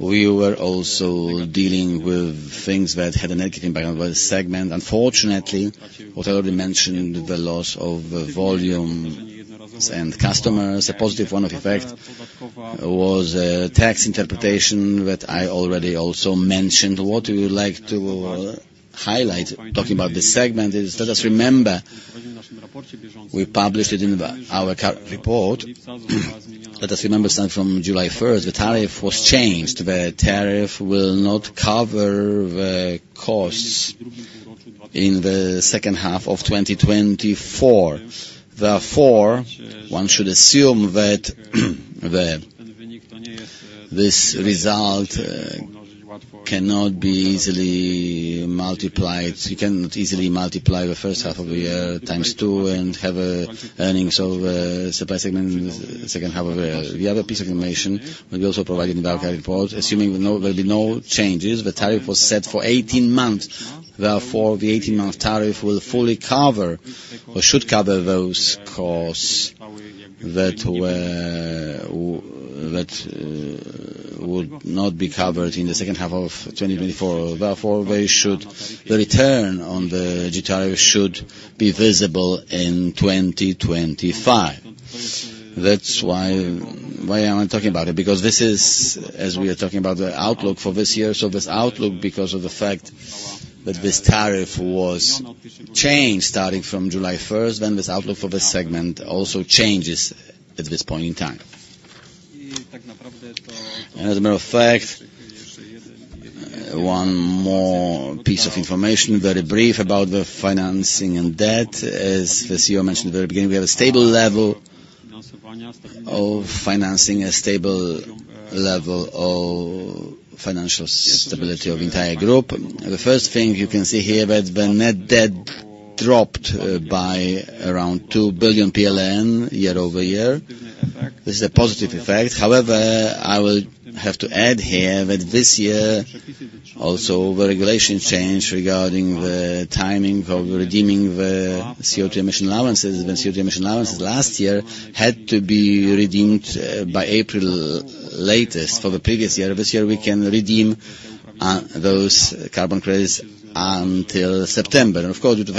We were also dealing with things that had a negative impact on the segment. Unfortunately, what I already mentioned, the loss of volume and customers, a positive one-off effect, was a tax interpretation that I already also mentioned. What we would like to highlight, talking about this segment is, let us remember, we published it in our current report. Let us remember, starting from July first, the tariff was changed. The tariff will not cover the costs in the second half of twenty twenty-four. Therefore, one should assume that this result cannot be easily multiplied. You cannot easily multiply the first half of the year times two and have earnings of supply segment in the second half of the year. The other piece of information that we also provided in the current report, assuming there'll be no changes, the tariff was set for eighteen months. Therefore, the eighteen-month tariff will fully cover, or should cover those costs that would not be covered in the second half of twenty twenty-four. Therefore, they should the return on the G tariff should be visible in twenty twenty-five. That's why am I talking about it? Because this is, as we are talking about the outlook for this year, so this outlook, because of the fact that this tariff was changed starting from July first, then this outlook for this segment also changes at this point in time. And as a matter of fact, one more piece of information, very brief, about the financing and debt. As the CEO mentioned at the very beginning, we have a stable level of financing, a stable level of financial stability of the entire group. The first thing you can see here that the net debt dropped by around 2 billion PLN year-over-year. This is a positive effect. However, I will have to add here that this year, also the regulation changed regarding the timing of redeeming the CO2 emission allowances. The CO2 emission allowances last year had to be redeemed by April latest for the previous year. This year, we can redeem those carbon credits until September. Of course, due to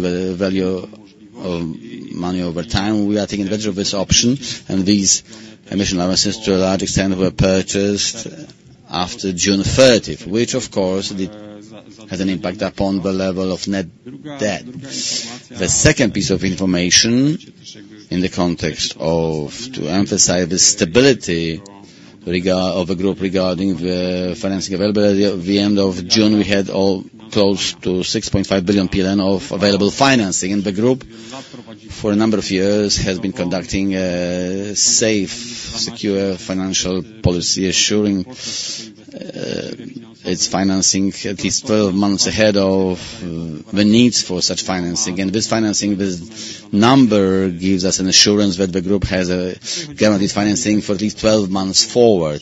the value of money over time, we are taking advantage of this option, and these emission allowances, to a large extent, were purchased after June thirtieth, which of course had an impact upon the level of net debt. The second piece of information in the context of, to emphasize the stability regarding of the group regarding the financing availability, at the end of June, we had all close to 6.5 billion PLN of available financing in the group. For a number of years, has been conducting a safe, secure financial policy, ensuring its financing at least twelve months ahead of the needs for such financing. This financing, this number gives us an assurance that the group has a guaranteed financing for at least twelve months forward.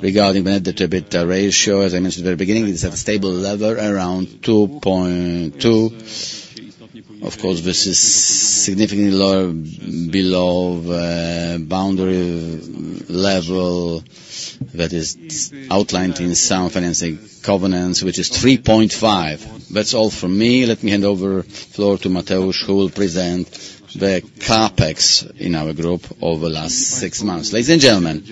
Regarding the net debt to EBITDA ratio, as I mentioned at the beginning, it's at a stable level, around 2.2. Of course, this is significantly lower, below the boundary level that is outlined in some financing covenants, which is 3.5. That's all from me. Let me hand over floor to Mateusz, who will present the CapEx in our group over the last six months. Ladies and gentlemen,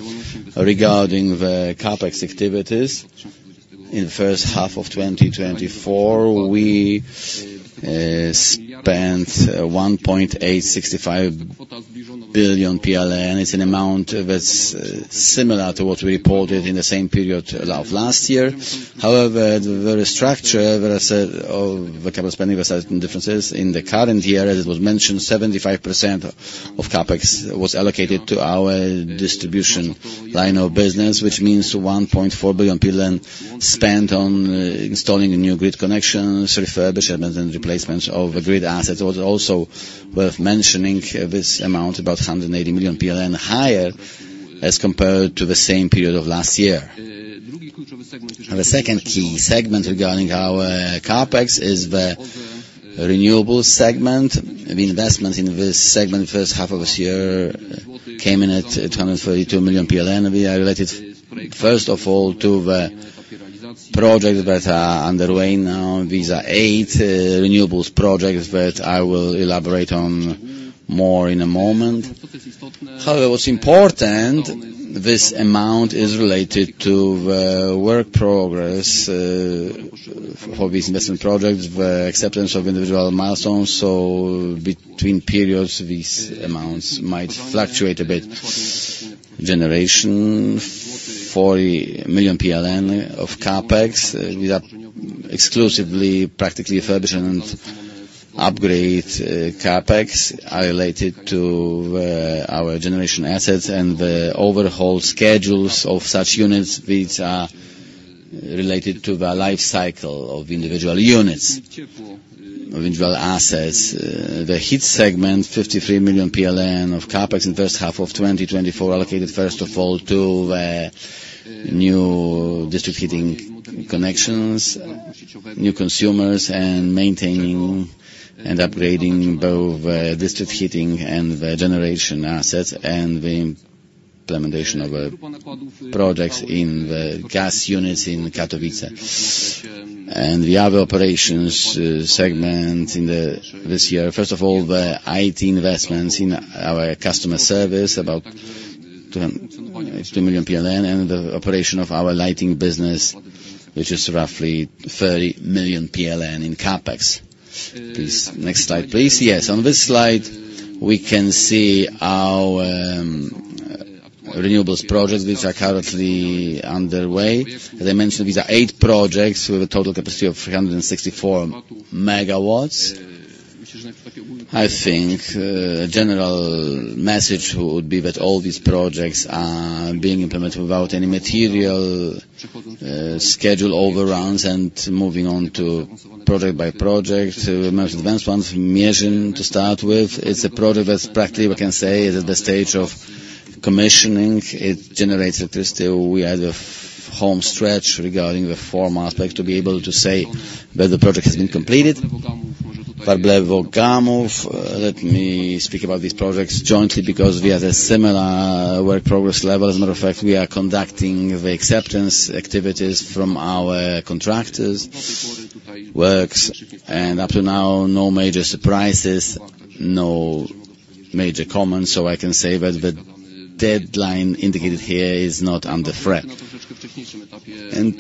regarding the CapEx activities, in the first half of 2024, we spent 1.865 billion PLN. It's an amount that's similar to what we reported in the same period of last year. However, the restructure, that I said, of the capital spending were certain differences. In the current year, as it was mentioned, 75% of CapEx was allocated to our distribution line of business, which means 1.4 billion spent on installing new grid connections, refurbishment, and replacements of the grid assets. It was also worth mentioning this amount, about 180 million PLN higher as compared to the same period of last year. Now, the second key segment regarding our CapEx is the renewable segment. The investment in this segment, first half of this year, came in at 232 million PLN, and we are related, first of all, to the projects that are underway now. These are eight renewables projects that I will elaborate on more in a moment. However, what's important, this amount is related to the work progress, for these investment projects, the acceptance of individual milestones, so between periods, these amounts might fluctuate a bit. Generation, 40 million PLN of CapEx, these are exclusively practically refurbishment, upgrade CapEx are related to, our generation assets and the overhaul schedules of such units, which are related to the life cycle of individual units, of individual assets. The heat segment, 53 million PLN of CapEx in first half of 2024, allocated, first of all, to the new district heating connections, new consumers, and maintaining and upgrading both the district heating and the generation assets, and the implementation of projects in the gas units in Katowice. And the other operations, segment in this year, first of all, the IT investments in our customer service, about 200 million PLN, and the operation of our lighting business, which is roughly 30 million PLN in CapEx. Please, next slide, please. Yes, on this slide, we can see our renewables projects, which are currently underway. As I mentioned, these are 8 projects with a total capacity of 364 MWs. I think, a general message would be that all these projects are being implemented without any material schedule overruns and moving on to project by project. The most advanced one, Mierzyn, to start with, it is a project that is practically, we can say, at the stage of commissioning. It generates electricity. We are at the home stretch regarding the formal aspect, to be able to say that the project has been completed. Warblewo Gamów, let me speak about these projects jointly, because we are at a similar work progress level. As a matter of fact, we are conducting the acceptance activities from our contractors works, and up to now, no major surprises, no major comments, so I can say that the deadline indicated here is not under threat.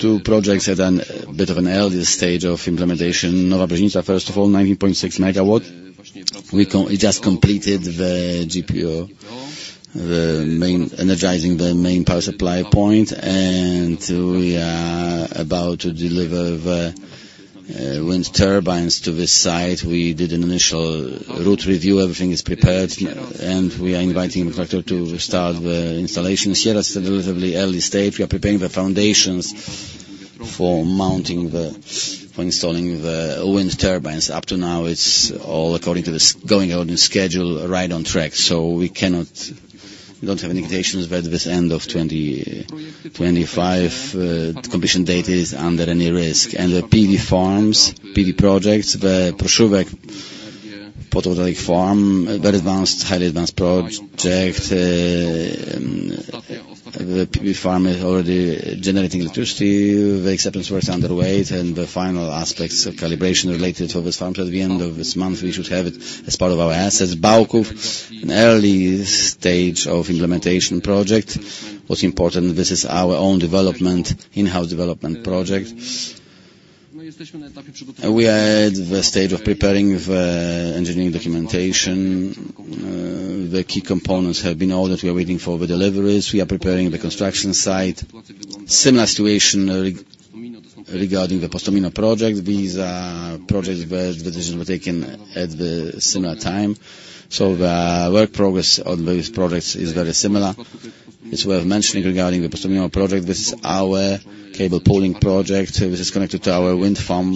Two projects at a bit of an earlier stage of implementation. Nowa Brzeźnica, first of all, 19.6 MW. We just completed the GPO, the main energizing the main power supply point, and we are about to deliver the wind turbines to this site. We did an initial route review, everything is prepared, and we are inviting the contractor to start the installations. Here, it is a relatively early stage. We are preparing the foundations for mounting the, for installing the wind turbines. Up to now, it's all according to the going according to schedule, right on track. So we cannot, we don't have any indications by this end of 2025 completion date is under any risk. And the PV farms, PV projects, the Pruszków photovoltaic farm, a very advanced, highly advanced project, the PV farm is already generating electricity. The acceptance work is underway, and the final aspects of calibration related to this farm, at the end of this month, we should have it as part of our assets. Bałków, an early stage of implementation project. What's important, this is our own development, in-house development project. We are at the stage of preparing the engineering documentation. The key components have been ordered, we are waiting for the deliveries. We are preparing the construction site. Similar situation regarding the Postomino project. These are projects where decisions were taken at the similar time, so the work progress on these projects is very similar. It's worth mentioning regarding the Postomino project, this is our cable pooling project. This is connected to our wind farm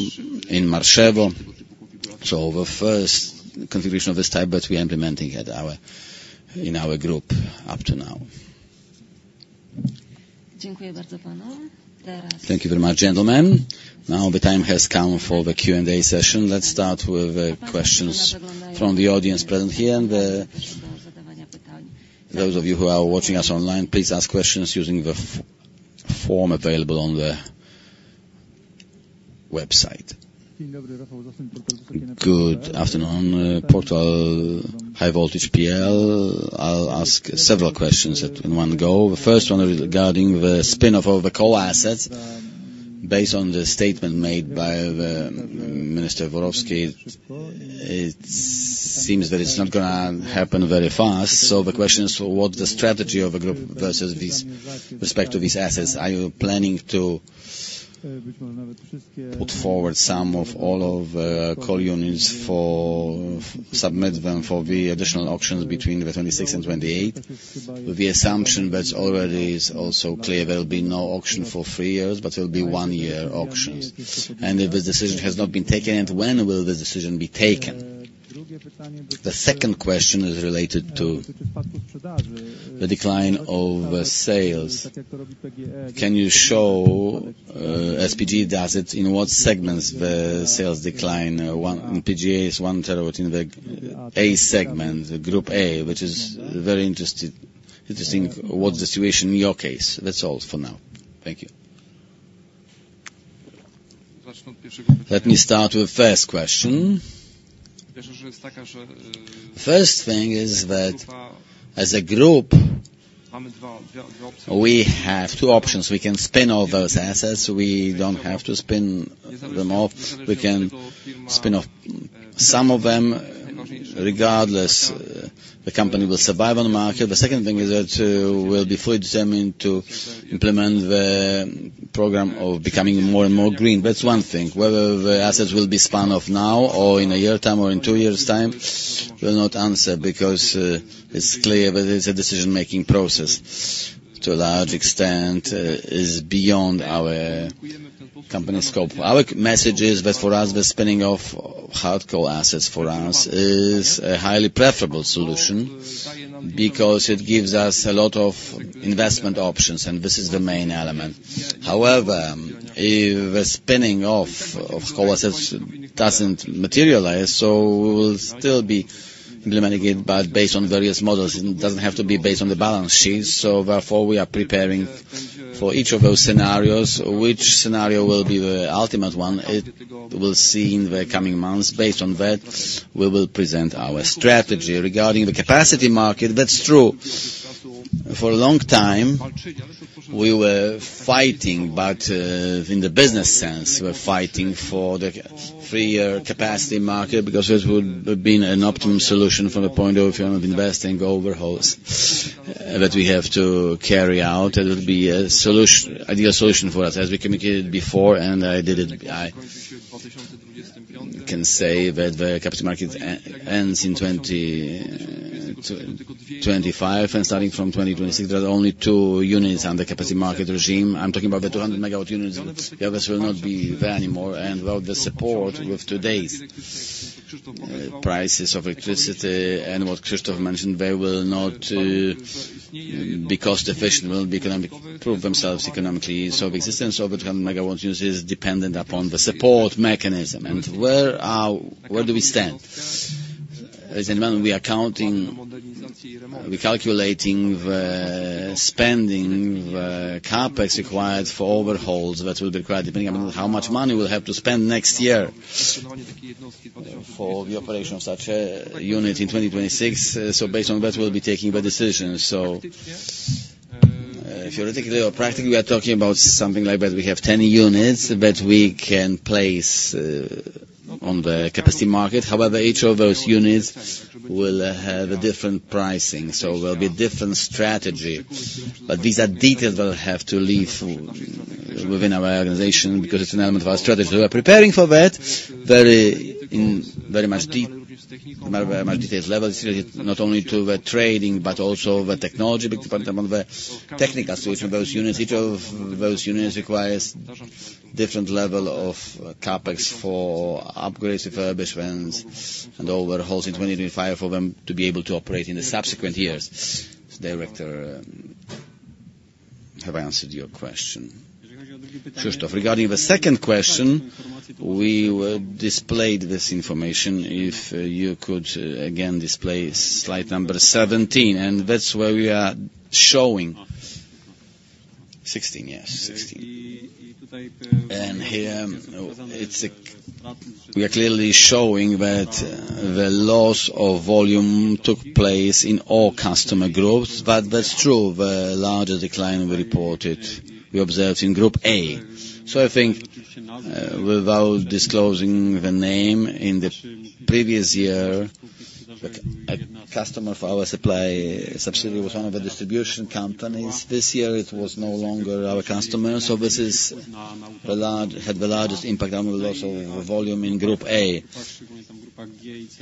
in Marszewo. So the first configuration of this type that we are implementing at our, in our group up to now. Thank you very much, gentlemen. Now, the time has come for the Q&A session. Let's start with the questions from the audience present here, and those of you who are watching us online, please ask questions using the form available on the website. Good afternoon, Portal High Voltage PL. I'll ask several questions in one go. The first one is regarding the spin-off of the coal assets. Based on the statement made by the Minister Jaworowski, it seems that it's not gonna happen very fast. So the question is, what's the strategy of the group versus this, respect to these assets? Are you planning to put forward some of all of the coal units for, submit them for the additional auctions between 2026 and 2028? With the assumption that already is also clear, there will be no auction for three years, but there will be one-year auctions. And if this decision has not been taken, and when will this decision be taken? The second question is related to the decline of the sales. Can you show, as PGE does it, in what segments the sales decline? One, PGE is 1 TWh in the A segment, group A, which is very interested, interesting, what's the situation in your case? That's all for now. Thank you. Let me start with first question. First thing is that, as a group, we have two options. We can spin all those assets, we don't have to spin them off. We can spin off some of them, regardless, the company will survive on the market. The second thing is that, we'll be fully determined to implement the program of becoming more and more green. That's one thing. Whether the assets will be spun off now or in a year time or in two years' time, we'll not answer because, it's clear that it's a decision-making process. To a large extent, is beyond our company's scope. Our message is that for us, the spinning of hard coal assets for us is a highly preferable solution because it gives us a lot of investment options, and this is the main element. However, if the spinning off of coal assets doesn't materialize, so we will still be implementing it, but based on various models. It doesn't have to be based on the balance sheet. So therefore, we are preparing for each of those scenarios. Which scenario will be the ultimate one, we'll see in the coming months. Based on that, we will present our strategy. Regarding the capacity market, that's true. For a long time, we were fighting, but in the business sense, we were fighting for the freer capacity market because this would have been an optimum solution from the point of view of investing overhauls that we have to carry out. It would be a solution, ideal solution for us, as we communicated before, and I did it. I can say that the capacity market ends in 2025, and starting from 2026, there are only two units on the capacity market regime. I'm talking about the 200-MW units, the others will not be there anymore, and without the support with today's prices of electricity and what Krzysztof mentioned, they will not be cost efficient, will not prove themselves economically. The existence of 200-MW units is dependent upon the support mechanism. Where are we- where do we stand? At the moment, we are counting, we're calculating the spending, the CapEx required for overhauls. That will be quite depending on how much money we'll have to spend next year for the operation of such a unit in 2026. Based on that, we'll be taking the decision. So, theoretically or practically, we are talking about something like that. We have ten units that we can place on the capacity market. However, each of those units will have a different pricing, so there'll be different strategy. But these are details that I'll have to leave within our organization, because it's an element of our strategy. We are preparing for that, very much detailed levels, really, not only to the trading, but also the technology, but among the technical solution, those units, each of those units requires different level of CapEx for upgrades, refurbishments, and overhauls in twenty twenty-five for them to be able to operate in the subsequent years. Director, have I answered your question? Regarding the second question, we displayed this information. If you could again display slide number seventeen, and that's where we are showing. Sixteen, yes, sixteen. And here, we are clearly showing that the loss of volume took place in all customer groups, but that's true. The larger decline we reported, we observed in Group A. So I think, without disclosing the name, in the previous year, a customer for our supply subsidiary was one of the distribution companies. This year, it was no longer our customer, so this had the largest impact on the loss of volume in Group A.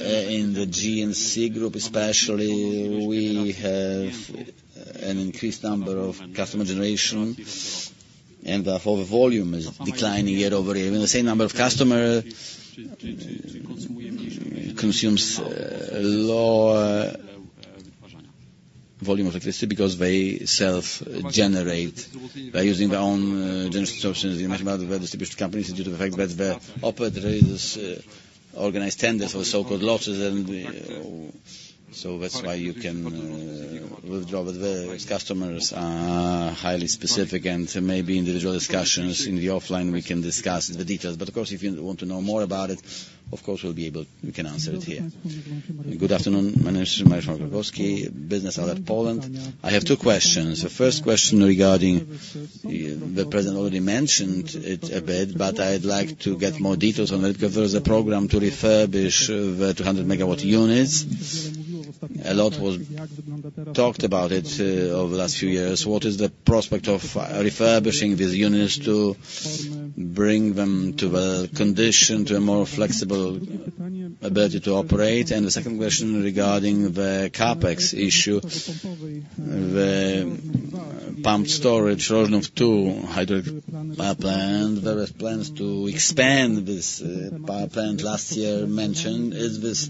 In the G and C group especially, we have an increased number of customer generation, and therefore, the volume is declining year over year. Even the same number of customer consumes low volume of electricity because they self-generate by using their own generation solutions. We mentioned about the distribution companies due to the fact that the operator is organized tender for so-called losses, and so that's why you can withdraw. But the customers are highly specific and maybe individual discussions in the offline, we can discuss the details. But of course, if you want to know more about it, of course, we'll be able, we can answer it here. Good afternoon. My name is Mariusz Marszałkowski, BiznesAlert.pl. I have two questions. The first question regarding, the president already mentioned it a bit, but I'd like to get more details on it, because there is a program to refurbish the 200-MW units. A lot was talked about it over the last few years. What is the prospect of refurbishing these units to bring them to the condition, to a more flexible ability to operate? The second question regarding the CapEx issue, the pumped storage, Rożnów two hydroelectric power plant. There is plans to expand this power plant last year mentioned. Is this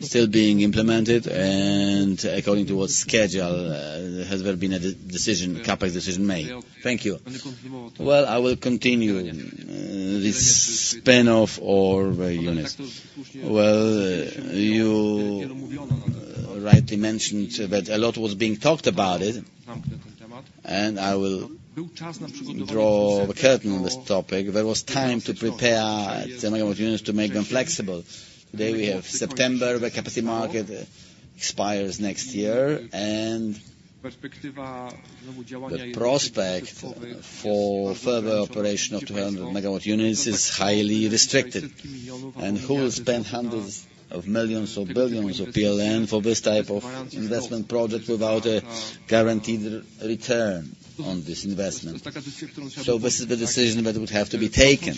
still being implemented? And according to what schedule has there been a decision, CapEx decision made? Thank you. I will continue this spin-off or the units. Well, you rightly mentioned that a lot was being talked about it, and I will draw the curtain on this topic. There was time to prepare the mega units to make them flexible. Today, we have September, the Capacity Market expires next year, and the prospect for further operation of two hundred MW units is highly restricted. And who will spend hundreds of millions or billions of PLN for this type of investment project without a guaranteed return on this investment? This is the decision that would have to be taken.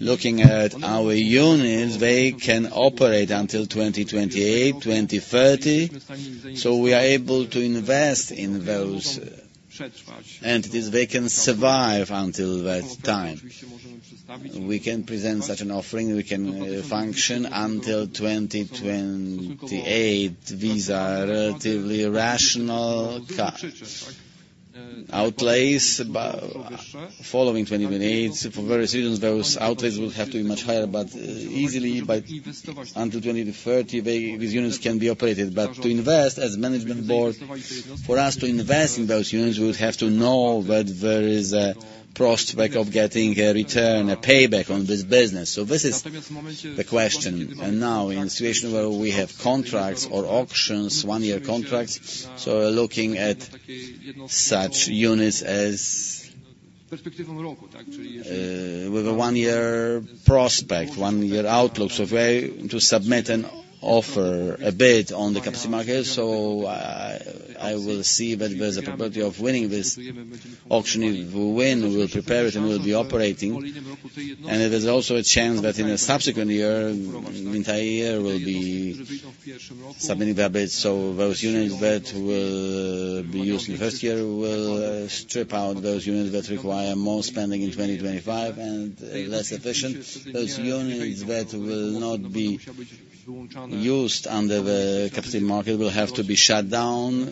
Looking at our units, they can operate until 2028, 2030, so we are able to invest in those entities. They can survive until that time. We can present such an offering, we can function until 2028. These are relatively rational capital outlays, but following 2028, for various reasons, those outlays will have to be much higher, but easily until 2030, they, these units can be operated. But to invest as management board, for us to invest in those units, we would have to know that there is a prospect of getting a return, a payback on this business. This is the question. Now, in a situation where we have contracts or auctions, one-year contracts, so we're looking at such units as with a one-year prospect, one-year outlook. So we're to submit an offer, a bid on the Capacity Market. So, I will see that there's a probability of winning this auction. If we win, we will prepare it and we'll be operating. And there is also a chance that in a subsequent year, entire year, we'll be submitting that bid. So those units that will be used in the first year, we'll strip out those units that require more spending in 2025 and less efficient. Those units that will not be used under the Capacity Market will have to be shut down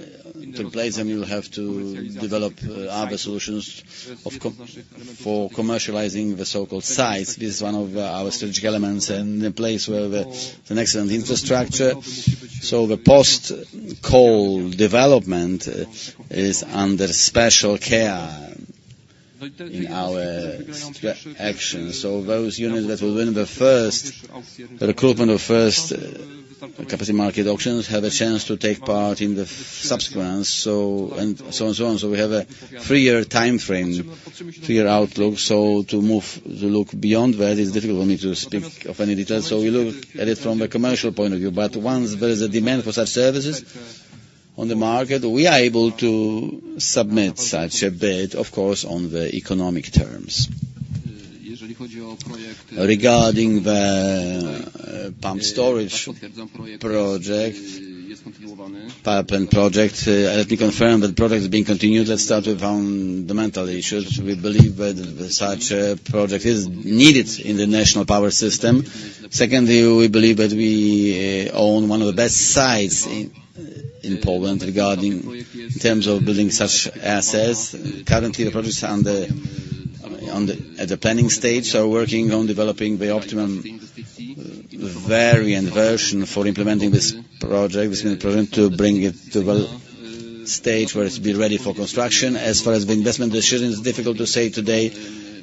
to place, and we will have to develop other solutions of co- for commercializing the so-called sites. This is one of our strategic elements, and a place where the, an excellent infrastructure. So the post-coal development is under special care in our stra- actions. Those units that will win the first capacity market auctions have a chance to take part in the subsequent, so, and so on and so on. We have a three-year time frame, three-year outlook, so to move, to look beyond that, it's difficult for me to speak of any details. We look at it from a commercial point of view, but once there is a demand for such services on the market, we are able to submit such a bid, of course, on the economic terms. Regarding the pumped storage project, power plant project, let me confirm that the project is being continued. Let's start with the fundamental issues. We believe that such a project is needed in the national power system. Secondly, we believe that we own one of the best sites in Poland regarding terms of building such assets. Currently, the projects are at the planning stage, so working on developing the optimum variant version for implementing this project, this new project, to bring it to the stage where it's be ready for construction. As far as the investment decision, it's difficult to say today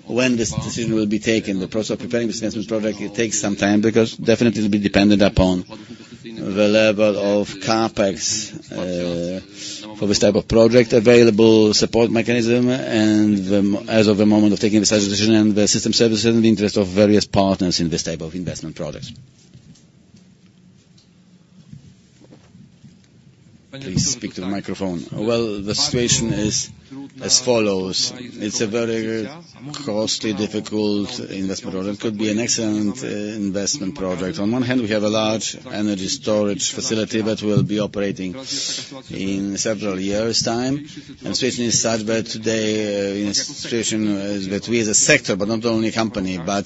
when this decision will be taken. The process of preparing this investment project, it takes some time, because definitely it'll be dependent upon the level of CapEx for this type of project, available support mechanism, and as of the moment of taking this decision, and the system services and the interest of various partners in this type of investment projects. Please speak to the microphone. The situation is as follows: It's a very costly, difficult investment project. It could be an excellent investment project. On one hand, we have a large energy storage facility that will be operating in several years' time. The situation is such that today, the situation is that we as a sector, but not only company, but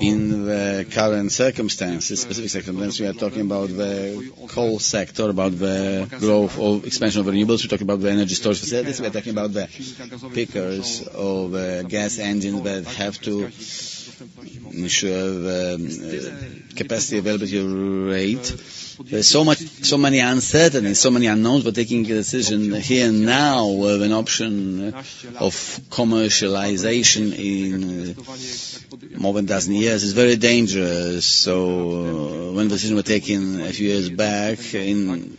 in the current circumstances, specific circumstances, we are talking about the coal sector, about the growth of expansion of renewables. We're talking about the energy storage facilities. We're talking about the peakers of gas engines that have to ensure the capacity availability rate. There's so much, so many uncertainties, so many unknowns, but taking a decision here now, with an option of commercialization in more than a dozen years, is very dangerous. So when the decision were taken a few years back in,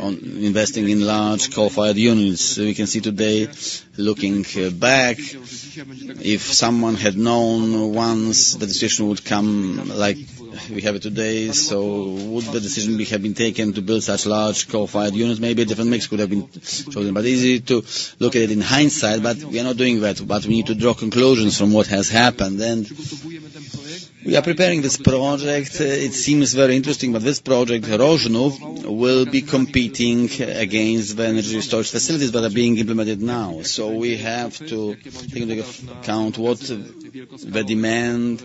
on investing in large coal-fired units, we can see today, looking back, if someone had known once the decision would come like we have it today, so would the decision be have been taken to build such large coal-fired units? Maybe a different mix could have been chosen. But easy to look at it in hindsight, but we are not doing that, but we need to draw conclusions from what has happened, and we are preparing this project. It seems very interesting, but this project, Rożnów, will be competing against the energy storage facilities that are being implemented now. So we have to take into account what the demand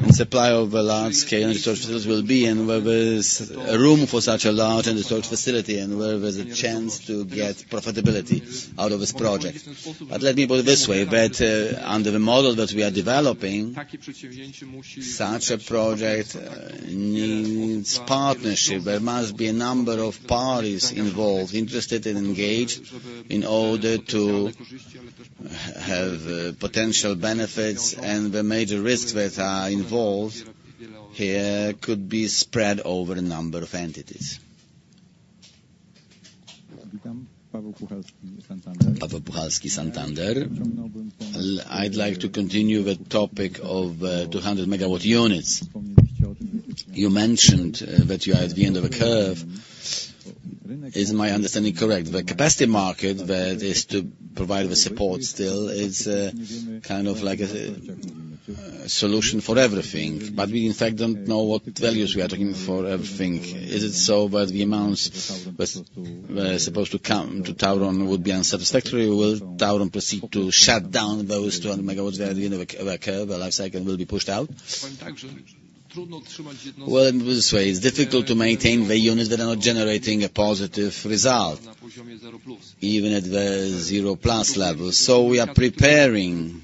and supply of a large-scale energy storage facilities will be, and whether there's a room for such a large energy storage facility, and whether there's a chance to get profitability out of this project. But let me put it this way, that, under the model that we are developing, such a project, needs partnership. There must be a number of parties involved, interested and engaged, in order to have, potential benefits and the major risks that are involved here could be spread over a number of entities. Paweł Puchalski, Santander. I'd like to continue the topic of, 200 MW units. You mentioned that you are at the end of a curve. Is my understanding correct? The capacity market that is to provide the support still is kind of like a solution for everything, but we in fact don't know what values we are talking for everything. Is it so that the amounts that were supposed to come to Tauron would be unsatisfactory, or will Tauron proceed to shut down those 200 MWs at the end of a curve, a life cycle, and will be pushed out? Well, let me put it this way. It's difficult to maintain the units that are not generating a positive result, even at the zero plus level. So we are preparing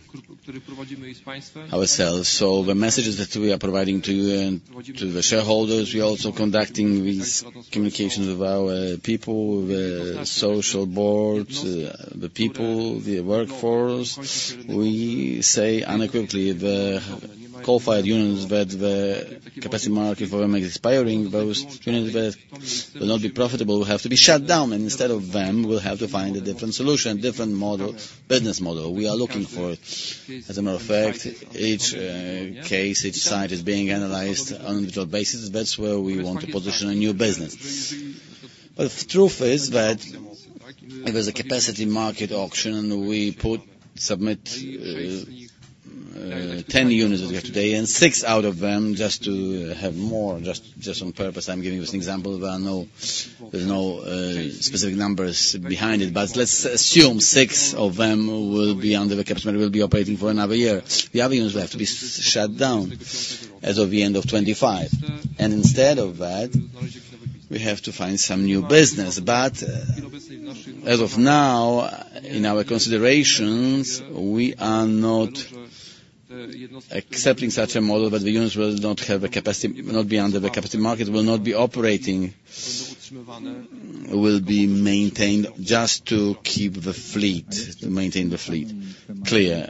ourselves. So the messages that we are providing to you and to the shareholders, we are also conducting these communications with our people, the social board, the people, the workforce. We say unequivocally, the coal-fired units, that the capacity market for them is expiring. Those units that will not be profitable will have to be shut down, and instead of them, we'll have to find a different solution, different model, business model. We are looking for it. As a matter of fact, each case, each site is being analyzed on individual basis. That's where we want to position a new business. But the truth is that there's a Capacity Market auction. We submit ten units as we have today, and six out of them, just to have more, just on purpose, I'm giving this example where I know there's no specific numbers behind it. But let's assume six of them will be under the capacity, will be operating for another year. The other units will have to be shut down as of the end of twenty-five. Instead of that, we have to find some new business. But as of now, in our considerations, we are not accepting such a model that the units will not have the capacity, not be under the Capacity Market, will not be operating, will be maintained just to keep the fleet, to maintain the fleet clear.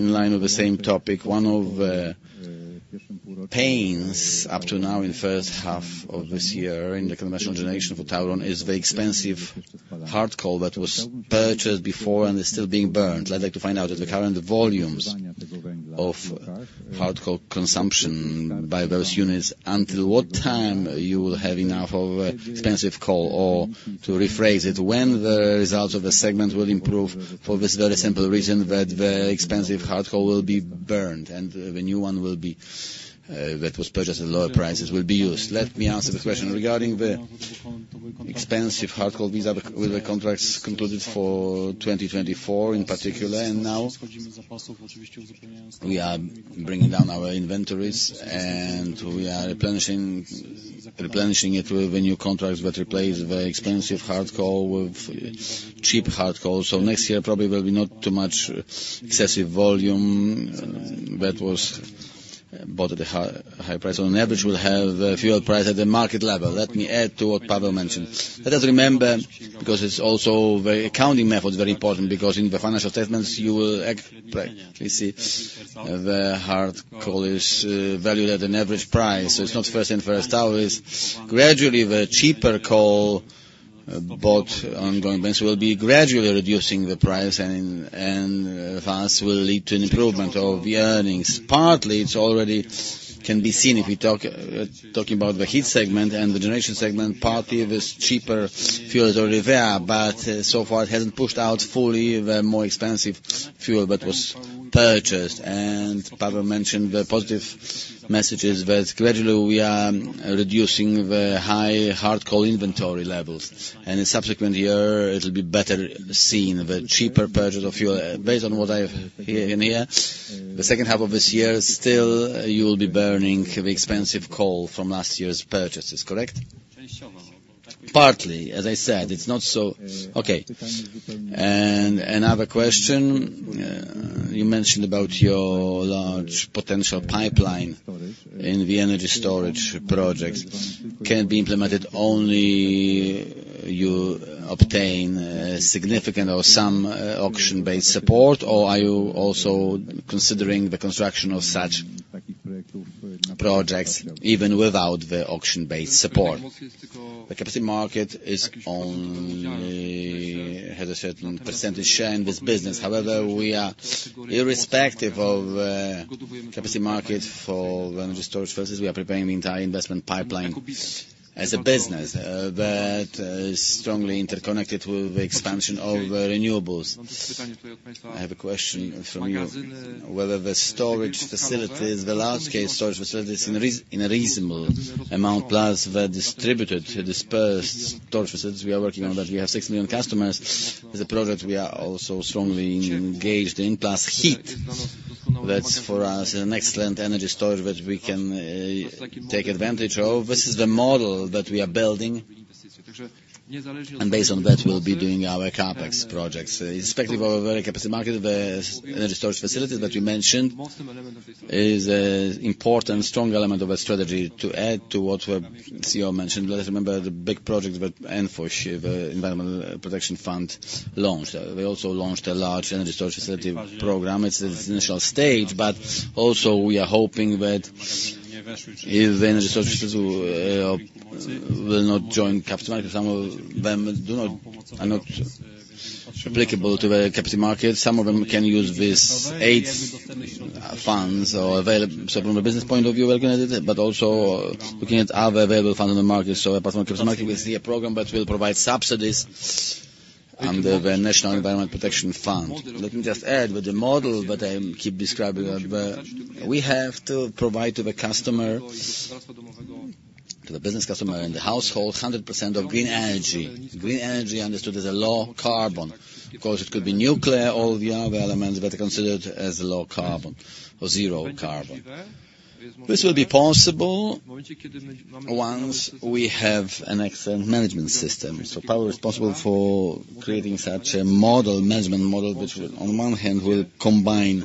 In line with the same topic, one of the pains up to now in the first half of this year, in the conventional generation for Tauron, is the expensive hard coal that was purchased before and is still being burned. I'd like to find out at the current volumes of hard coal consumption by those units, until what time you will have enough of expensive coal? Or to rephrase it, when the results of the segment will improve for this very simple reason, that the expensive hard coal will be burned, and the new one will be, that was purchased at lower prices, will be used. Let me answer the question. Regarding the expensive hard coal, these were the contracts concluded for twenty twenty-four, in particular, and now we are bringing down our inventories, and we are replenishing it with the new contracts that replace the expensive hard coal with cheap hard coal. So next year probably will be not too much excessive volume that was bought at a higher price. On average, we'll have a fuel price at the market level. Let me add to what Paweł mentioned. Let us remember, because it's also the accounting method is very important, because in the financial statements, you will practically see the hard coal is valued at an average price. So it's not first in, first out, it's gradually the cheaper coal bought ongoing basis will be gradually reducing the price, and thus will lead to an improvement of the earnings. Partly, it's already can be seen if we talk about the heat segment and the generation segment, partly this cheaper fuel is already there. But so far, it hasn't pushed out fully the more expensive fuel that was purchased. Paweł mentioned the positive messages that gradually we are reducing the high hard coal inventory levels, and in subsequent year, it will be better seen, the cheaper purchase of fuel. Based on what I've heard in here, the second half of this year, still you will be burning the expensive coal from last year's purchases, correct? Partly, as I said, it's not so- Okay. And another question, you mentioned about your large potential pipeline in the energy storage projects. Can it be implemented only if you obtain significant or some auction-based support, or are you also considering the construction of such projects even without the auction-based support? The capacity market is only... has a certain percentage share in this business. However, we are irrespective of capacity market for energy storage facilities, we are preparing the entire investment pipeline as a business that is strongly interconnected with the expansion of the renewables. I have a question from you: whether the storage facilities, the large-scale storage facilities in a reasonable amount, plus the distributed dispersed storage facilities, we are working on that. We have six million customers. As a project, we are also strongly engaged in, plus heat. That's for us an excellent energy storage that we can take advantage of. This is the model that we are building, and based on that, we'll be doing our CapEx projects. Irrespective of our capacity market, the energy storage facilities that you mentioned is an important, strong element of our strategy. To add to what the CEO mentioned, let us remember the big projects that NFOŚ, the Environmental Protection Fund, launched. They also launched a large energy storage facility program. It's at its initial stage, but also, we are hoping that if the energy storage facility will not join Capacity Market, some of them do not, are not applicable to the Capacity Market. Some of them can use these aids, funds or available, so from a business point of view, we can benefit, but also looking at other available funds in the market, so apart from Capacity Market, we see a program that will provide subsidies under the National Fund for Environmental Protection. Let me just add with the model that I keep describing, we have to provide to the customer, to the business customer and the household, 100% of green energy. Green energy understood as a low-carbon. Of course, it could be nuclear or the other elements, that are considered as low-carbon or zero-carbon. This will be possible once we have an excellent management system. Paweł is responsible for creating such a model, management model, which will on one hand, will combine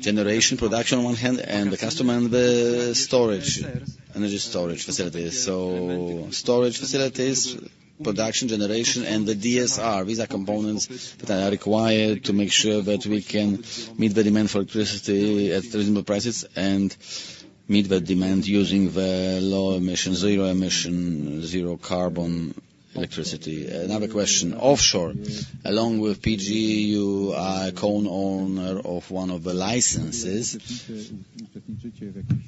generation production on one hand, and the customer and the storage, energy storage facilities. So storage facilities, production, generation, and the DSR. These are components that are required to make sure that we can meet the demand for electricity at reasonable prices, and meet the demand using the low emission, zero emission, zero carbon electricity. Another question, offshore. Along with PGE, you are a co-owner of one of the licenses.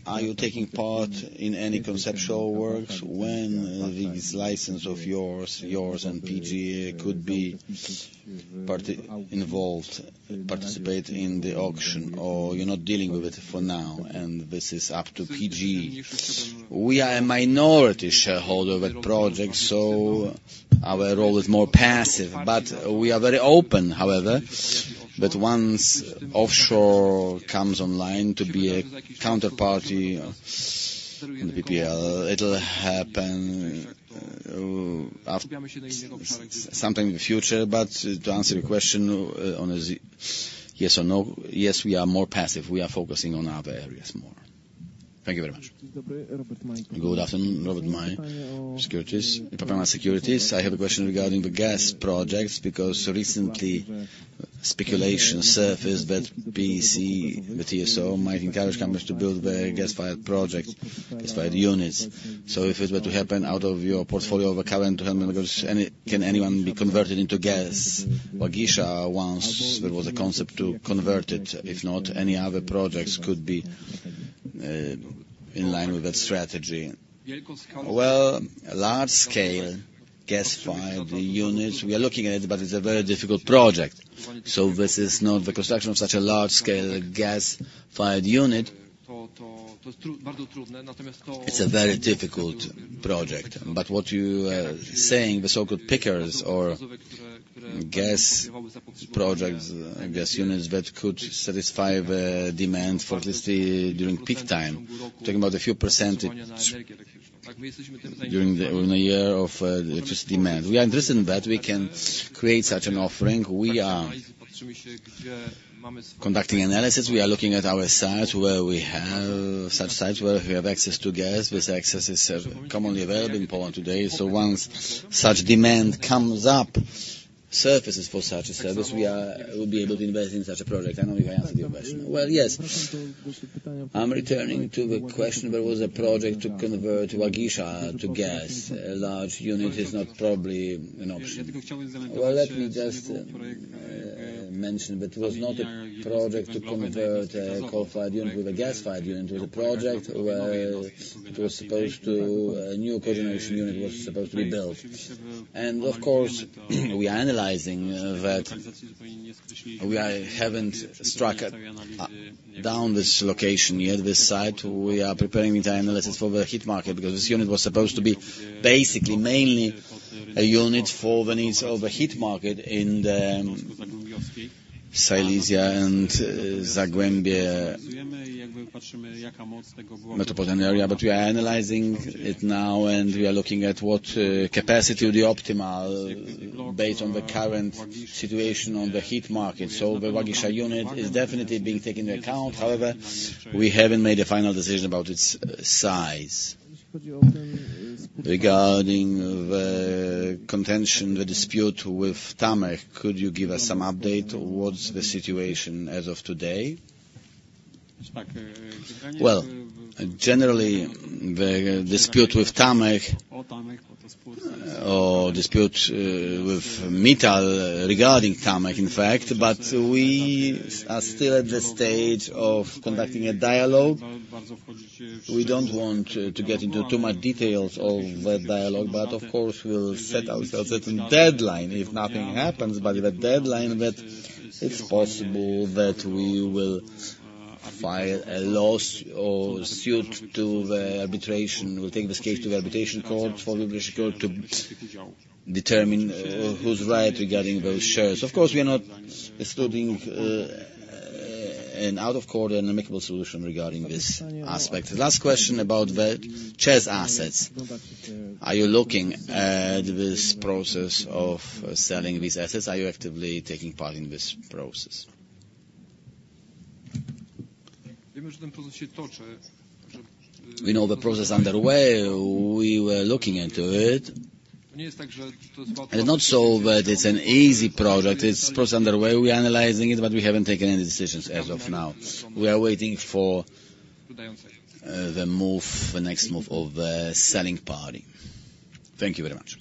Are you taking part in any conceptual works? When this license of yours, yours and PGE, could be participate in the auction, or you're not dealing with it for now, and this is up to PGE? We are a minority shareholder of that project, so our role is more passive. But we are very open, however, that once offshore comes online to be a counterparty in PPL, it'll happen sometime in the future. But to answer your question, yes or no, yes, we are more passive. We are focusing on other areas more. Thank you very much. Good afternoon, Robert Maj, PKO BP Securities. I have a question regarding the gas projects, because recently, speculation surfaced that PSE, the TSO, might encourage companies to build their gas-fired project, gas-fired units. So if it were to happen out of your portfolio of a current 100 MWs, any, can anyone be converted into gas? Łagisza, once there was a concept to convert it, if not, any other projects could be in line with that strategy. Large-scale gas-fired units, we are looking at it, but it's a very difficult project. This is not the construction of such a large-scale gas-fired unit. It's a very difficult project, but what you are saying, the so-called peakers or gas projects, gas units that could satisfy the demand for at least during peak time, talking about a few percent during the in a year of electricity demand. We are interested in that. We can create such an offering. We are conducting analysis, we are looking at our site, where we have such sites, where we have access to gas. This access is commonly available in Poland today, so once such demand comes up, surfaces for such a service, we will be able to invest in such a project. I don't know if I answered your question. Well, yes. I'm returning to the question. There was a project to convert Łagisza to gas. A large unit is not probably an option. Well, let me just mention that was not a project to convert a coal-fired unit to a gas-fired unit. It was a project where it was supposed to, a new co-generation unit was supposed to be built. And of course, we are analyzing that. We haven't struck down this location yet, this site. We are preparing the analysis for the heat market, because this unit was supposed to be basically, mainly a unit for the needs of the heat market in the Silesia and Zagłębie metropolitan area. But we are analyzing it now, and we are looking at what capacity would be optimal based on the current situation on the heat market. The Łagisza unit is definitely being taken into account. However, we haven't made a final decision about its size. Regarding the contention, the dispute with TAMEH, could you give us some update on what's the situation as of today? Generally, the dispute with TAMEH or dispute with Mittal regarding TAMEH, in fact, but we are still at the stage of conducting a dialogue. We don't want to get into too much details of the dialogue, but of course, we'll set ourselves a certain deadline. If nothing happens by the deadline, then it's possible that we will file a lawsuit or suit to the arbitration. We'll take this case to the arbitration court for the British court to determine who's right regarding those shares. Of course, we are not excluding an out of court and amicable solution regarding this aspect. Last question about the ČEZ assets. Are you looking at this process of selling these assets? Are you actively taking part in this process? We know the process is underway. We were looking into it. It's not so that it's an easy project. It's a process underway. We are analyzing it, but we haven't taken any decisions as of now. We are waiting for the move, the next move of the selling party. Thank you very much.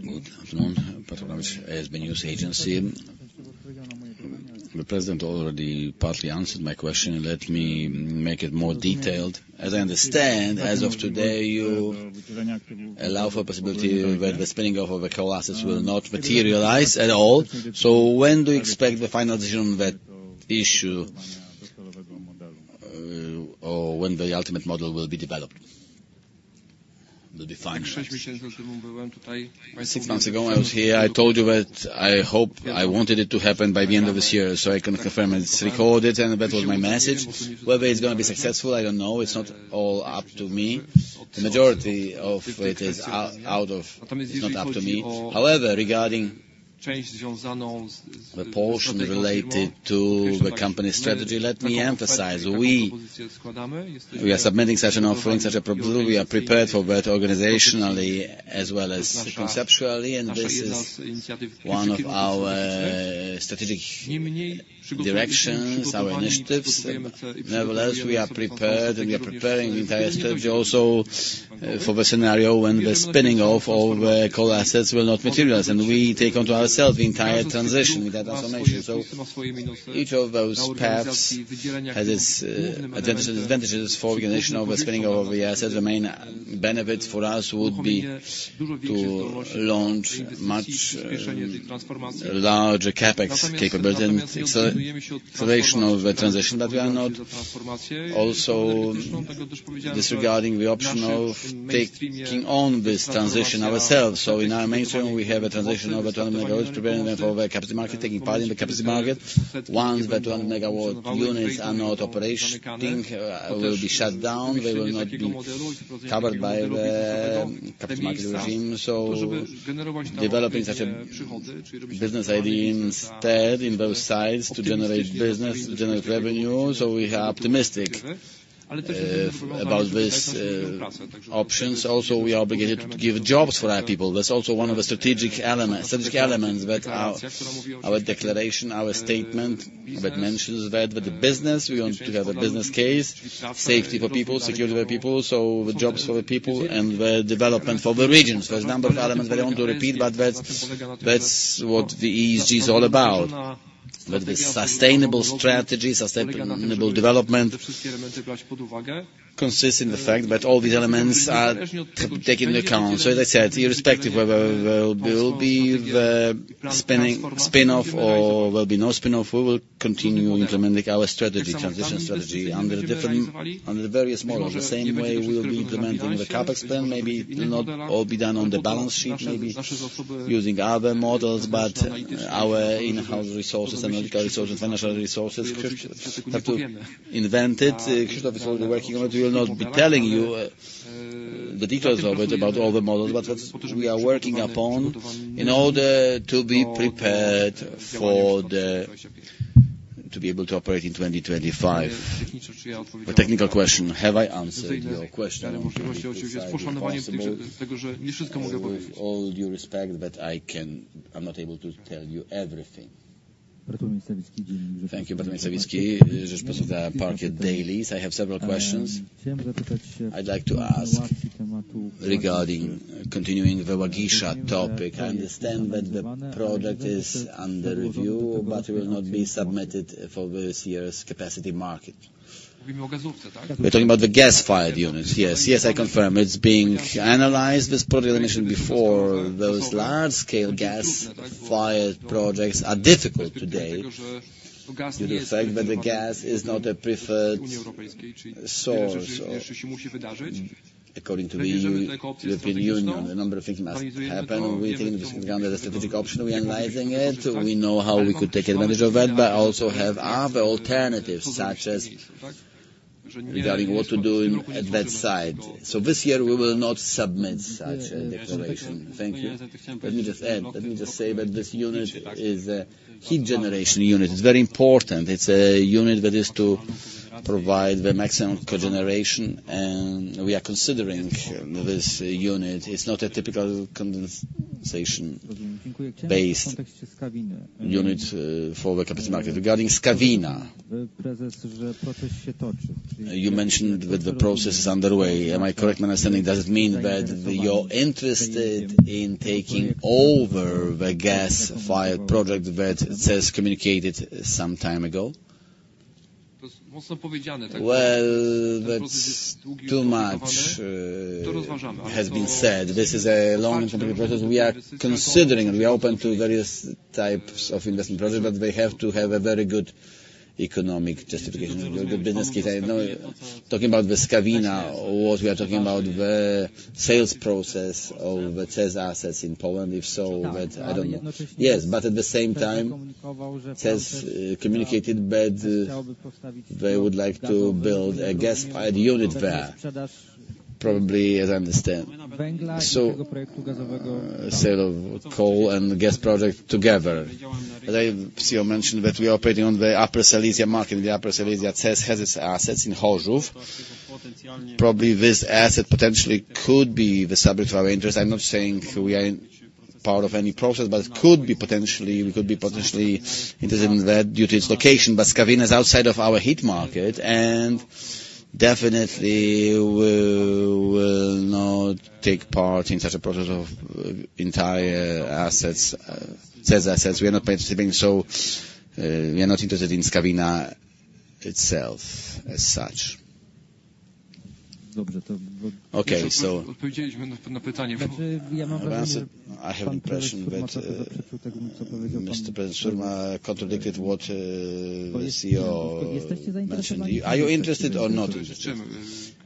Good afternoon, Piotr Apanowicz, ISBnews. The president already partly answered my question, let me make it more detailed. As I understand, as of today, you allow for possibility where the spinning of the coal assets will not materialize at all. So when do you expect the final decision on that issue, or when the ultimate model will be developed? Will be finalized. Six months ago, I was here, I told you that I hope I wanted it to happen by the end of this year, so I can confirm it's recorded, and that was my message. Whether it's gonna be successful, I don't know. It's not all up to me. The majority of it is out of... It's not up to me. However, regarding the portion related to the company's strategy, let me emphasize, we are submitting such an offering, such a proposal. We are prepared for both organizationally as well as conceptually, and this is one of our strategic directions, our initiatives. Nevertheless, we are prepared, and we are preparing the entire strategy also for the scenario when the spinning of all the coal assets will not materialize, and we take onto ourselves the entire transition, that transformation. So each of those paths has its advantages. Advantages for organization over spinning off the assets, the main benefits for us would be to launch much larger CapEx capability, and it's a renovation of the transition, but we are not also disregarding the option of taking on this transition ourselves. So in our mainstream, we have a transition over twenty MWs, preparing them for the capacity market, taking part in the capacity market. Once the twenty-MW units are not operating, will be shut down, they will not be covered by the capacity regime. So developing such a business idea instead in both sides to generate business, generate revenue, so we are optimistic about this options. Also, we are obligated to give jobs for our people. That's also one of the strategic elements, strategic elements that our declaration, our statement that mentions that with the business, we want to have a business case, safety for people, security for people, so jobs for the people and the development for the regions. There's a number of elements I don't want to repeat, but that's what the ESG is all about. That the sustainable strategy, sustainable development consists in the fact that all these elements are taken into account. So as I said, irrespective whether there will be the spin-off or there will be no spin-off, we will continue implementing our strategy, transition strategy, under a different, under the various models. The same way we will be implementing the CapEx plan, maybe it will not all be done on the balance sheet, maybe using other models, but our in-house resources, analytical resources, financial resources, have to invent it. Krzysztof is already working on it. We will not be telling you the details of it, about all the models, but that's we are working upon in order to be prepared for to be able to operate in twenty twenty-five. A technical question, have I answered your question? Yes, it is possible. With all due respect, but I can... I'm not able to tell you everything. Thank you, Bartłomiej Sawicki, Parkiet Daily. I have several questions. I'd like to ask regarding continuing the Łagisza topic. I understand that the product is under review, but will not be submitted for this year's capacity market. We're talking about the gas-fired unit, yes. Yes, I confirm it's being analyzed, this project. I mentioned before, those large-scale gas-fired projects are difficult today, due to the fact that the gas is not a preferred source of, according to the European Union, a number of things must happen. We think this is under the strategic option, we are analyzing it. We know how we could take advantage of it, but also have other alternatives, such as regarding what to do in, at that site. So this year we will not submit such a declaration. Thank you. Let me just add, let me just say that this unit is a heat generation unit. It's very important. It's a unit that is to provide the maximum cogeneration, and we are considering this unit. It's not a typical condensation-based unit, for the capacity market. Regarding Skawina, you mentioned that the process is underway. Am I correct in understanding? Does it mean that you're interested in taking over the gas-fired project that ČEZ communicated some time ago? Well, too much has been said. This is a long and complicated process. We are considering, we are open to various types of investment projects, but they have to have a very good economic justification, a good business case. I know, talking about the Skawina, what we are talking about the sales process of the ČEZ assets in Poland, if so, but I don't know. Yes, but at the same time, ČEZ communicated that they would like to build a gas-fired unit there, probably, as I understand. So sale of coal and gas project together. Today, the CEO mentioned that we are operating on the Upper Silesia market. In the Upper Silesia, ČEZ has its assets in Chorzów. Probably, this asset potentially could be the subject of our interest. I'm not saying we are in part of any process, but it could be potentially, we could be potentially interested in that due to its location. But Skawina is outside of our heat market, and definitely we will not take part in such a process of entire assets, ČEZ assets. We are not participating, so, we are not interested in Skawina itself as such. Okay, so I have impression that, Mr. Surma contradicted what, the CEO mentioned. Are you interested or not interested?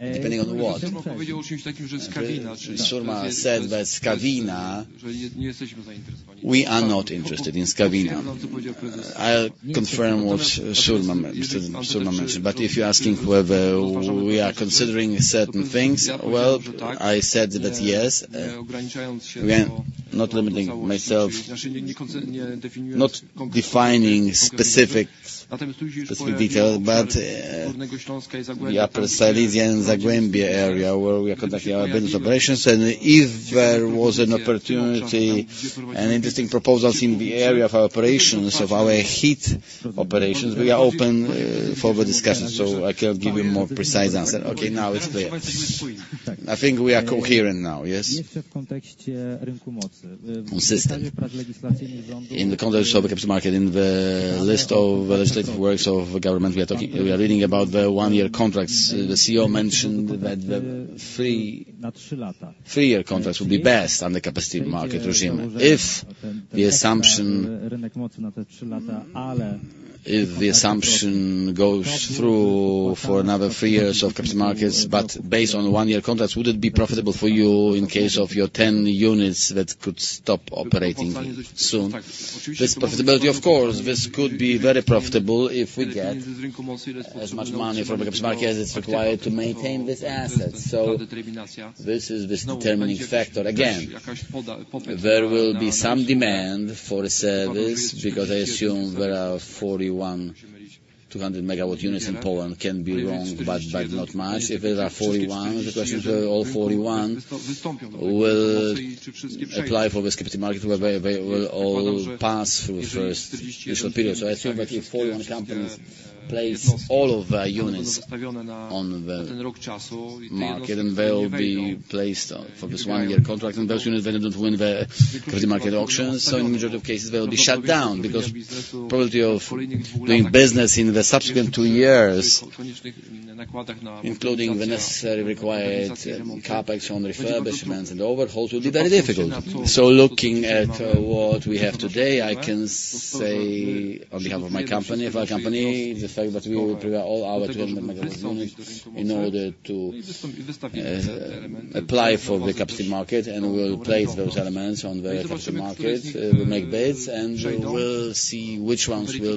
Depending on what? Surma said that Skawina- We are not interested in Skawina. I confirm what Surma, Mr. Surma mentioned. But if you're asking whether we are considering certain things, well, I said that yes, we are not limiting myself, not defining specific detail, but the Upper Silesia and Zagłębie area where we are conducting our business operations, and if there was an opportunity and interesting proposals in the area of our operations, of our heat operations, we are open for the discussion. So I can give you a more precise answer. Okay, now it's clear. I think we are coherent now, yes? Consistent? In the context of the capacity market, in the list of legislative works of the government, we are talking, we are reading about the one-year contracts. The CEO mentioned that the three-year contracts would be best on the capacity market regime. If the assumption goes through for another three years of Capacity Markets, but based on one-year contracts, would it be profitable for you in case of your 10 units that could stop operating soon? This profitability, of course, could be very profitable if we get as much money from the Capacity Market as is required to maintain this asset. So this is the determining factor. Again, there will be some demand for a service, because I assume there are 41 200-MW units in Poland. I can be wrong, but not much. If there are 41, the question whether all 41 will apply for this Capacity Market, where they will all pass through first initial period. I think that if 41 companies place all of their units on the market, and they will be placed for this one-year contract, and those units they don't win the capacity market auctions, so in majority of cases, they will be shut down. Because probability of doing business in the subsequent two years, including the necessary required CapEx on refurbishments and overhauls, will be very difficult. Looking at what we have today, I can say on behalf of my company, of our company, the fact that we will prepare all our 200 MWs units in order to apply for the capacity market, and we will place those elements on the capacity market. We make bids, and we will see which ones will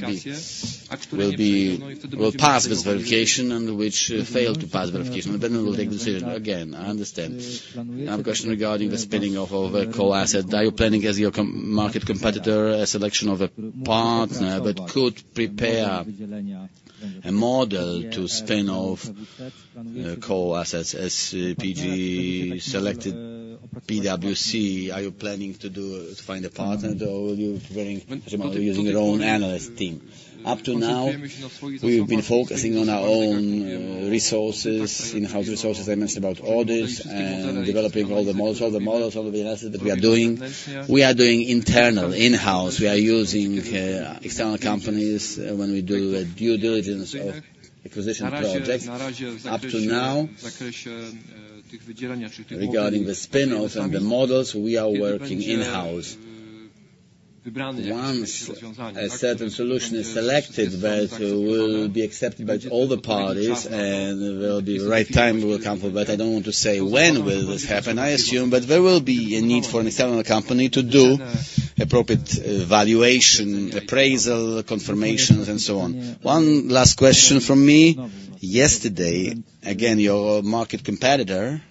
be, will pass this verification and which fail to pass verification, and then we'll take decision. Again, I understand. I have a question regarding the spinning off of all the coal assets. Are you planning, as your competitor, a selection of a partner that could prepare a model to spin off coal assets as PGE selected PwC? Are you planning to find a partner, or are you planning on using your own analyst team? Up to now, we've been focusing on our own resources, in-house resources. I mentioned about audits and developing all the models. All the models, all the analysis that we are doing, we are doing internal, in-house. We are using external companies when we do a due diligence of acquisition projects. Up to now, regarding the spin-offs and the models, we are working in-house. Once a certain solution is selected, that will be accepted by all the parties, and when the right time comes for that. I don't want to say when will this happen. I assume that there will be a need for an external company to do appropriate valuation, appraisal, confirmations, and so on. One last question from me. Yesterday, again, your market competitor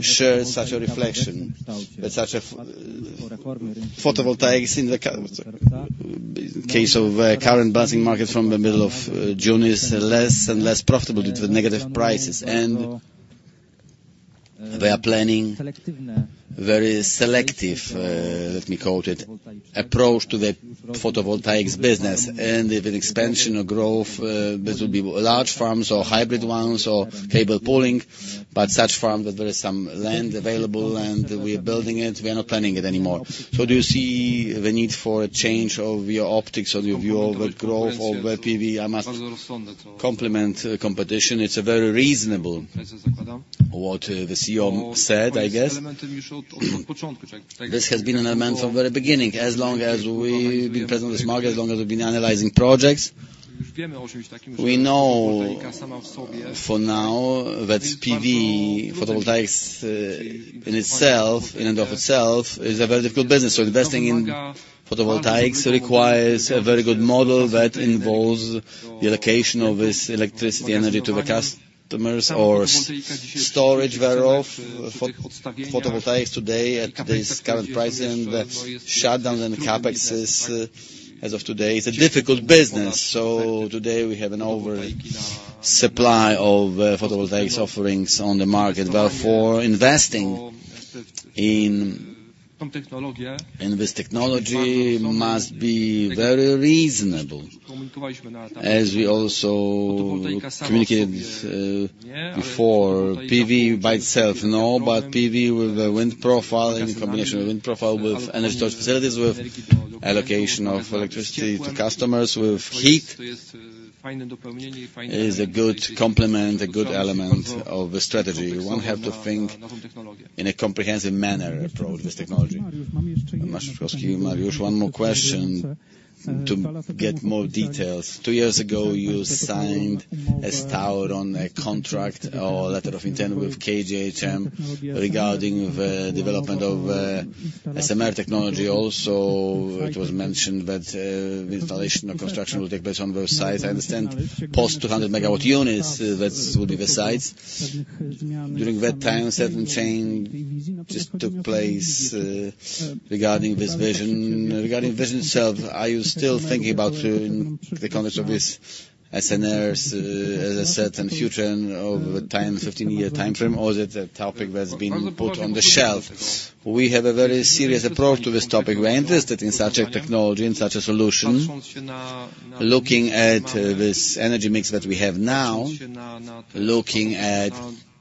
shared such a reflection, that such a photovoltaics in the case of current balancing market from the middle of June is less and less profitable due to the negative prices, and they are planning very selective, let me quote it, "approach to the photovoltaics business," and if an expansion or growth, this will be large farms or hybrid ones or cable pooling, but such farms that there is some land available, and we are building it, we are not planning it anymore, so do you see the need for a change of your optics or your view over growth over PV? I must compliment competition. It's a very reasonable what the CEO said, I guess. This has been an element from the very beginning. As long as we've been present in this market, as long as we've been analyzing projects, we know for now that PV, photovoltaics, in itself, in and of itself, is a very difficult business. So investing in photovoltaics requires a very good model that involves the allocation of this electricity energy to the customers or storage thereof. Photovoltaics today, at this current price, and the shutdown and CapEx, as of today, is a difficult business. So today, we have an oversupply of photovoltaics offerings on the market. For investing in this technology must be very reasonable. As we also communicated, before, PV by itself, no, but PV with a wind profile, in combination with wind profile, with energy storage facilities, with allocation of electricity to customers, with heat, is a good complement, a good element of the strategy. One have to think in a comprehensive manner approach this technology. Mariusz, one more question to get more details. Two years ago, you signed as Tauron, a contract or letter of intent with KGHM regarding the development of, SMR technology. Also, it was mentioned that, the installation of construction will take place on both sides. I understand post two hundred MW units, that would be the size. During that time, certain change just took place, regarding this vision. Regarding vision itself, are you still thinking about the concept of this SMR, as I said, in the future and over time, fifteen-year timeframe, or is it a topic that's been put on the shelf? We have a very serious approach to this topic. We are interested in such a technology and such a solution. Looking at this energy mix that we have now, looking at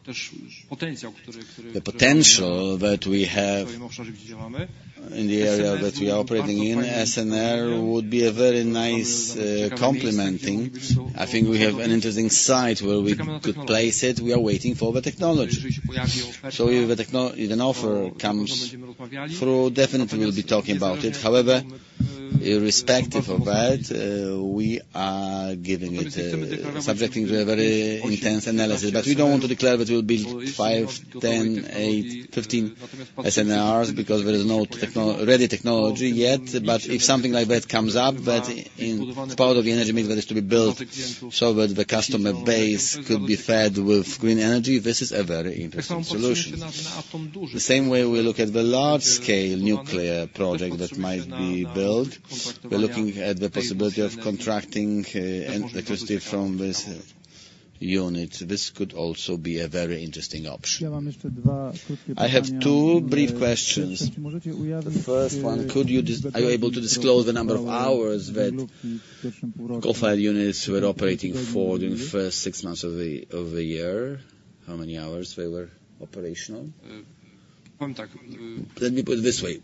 the potential that we have in the area that we are operating in, SMR would be a very nice complementing. I think we have an interesting site where we could place it. We are waiting for the technology. So if an offer comes through, definitely we'll be talking about it. However, irrespective of that, we are giving it subjecting to a very intense analysis. But we don't want to declare that we'll build five, 10, eight, 15 SMRs, because there is no technology-ready technology yet. But if something like that comes up, that in part of the energy mix that is to be built, so that the customer base could be fed with green energy, this is a very interesting solution. The same way we look at the large-scale nuclear project that might be built, we're looking at the possibility of contracting electricity from these units, this could also be a very interesting option. I have two brief questions. The first one, are you able to disclose the number of hours that coal-fired units were operating for the first six months of the year? How many hours they were operational? Let me put it this way.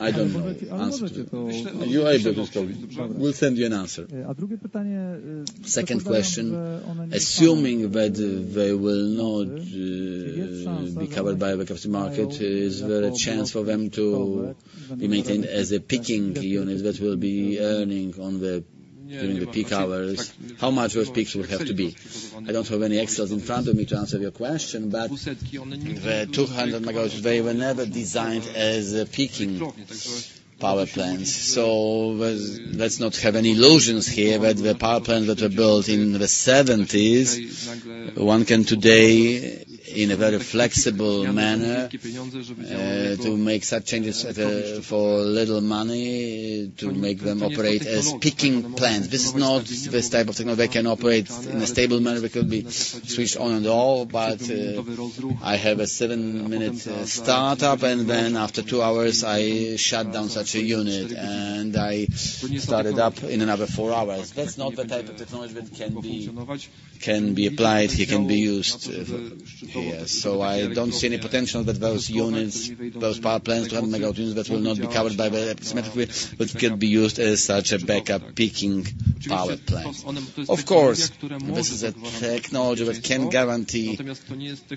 I don't know the answer to. You, I do not know. We'll send you an answer. Second question: assuming that they will not be covered by the Capacity Market, is there a chance for them to be maintained as a peaking unit that will be earning on the, during the peak hours? How much those peaks will have to be? I don't have any excels in front of me to answer your question, but the two hundred MWs, they were never designed as a peaking power plants. So let's, let's not have any illusions here, that the power plants that were built in the '70s, one can today, in a very flexible manner, to make such changes at the, for little money, to make them operate as peaking plants. This is not this type of technology. They can operate in a stable manner, they could be switched on and off, but I have a seven-minute start-up, and then after two hours, I shut down such a unit, and I start it up in another four hours. That's not the type of technology that can be applied, it can be used here. So I don't see any potential that those units, those power plants, to have mega units that will not be covered by the capacity, but can be used as such a backup peaking power plant. Of course, this is a technology that can guarantee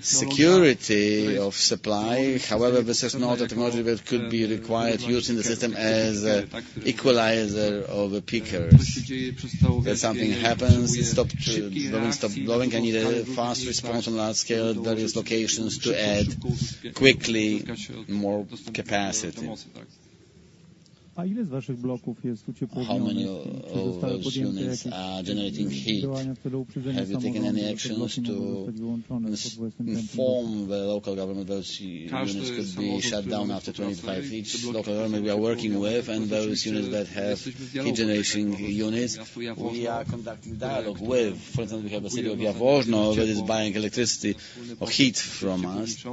security of supply. However, this is not a technology that could be required using the system as a equalizer of the peakers. When something happens, it stop, the wind stop blowing. I need a fast response on large scale, there is locations to add quickly more capacity. How many of those units are generating heat? Have you taken any actions to inform the local government, those units could be shut down after twenty-five years? Each local government we are working with, and those units that have heat-generating units, we are conducting dialogue with. For instance, we have the city of Jaworzno, that is buying electricity or heat from us.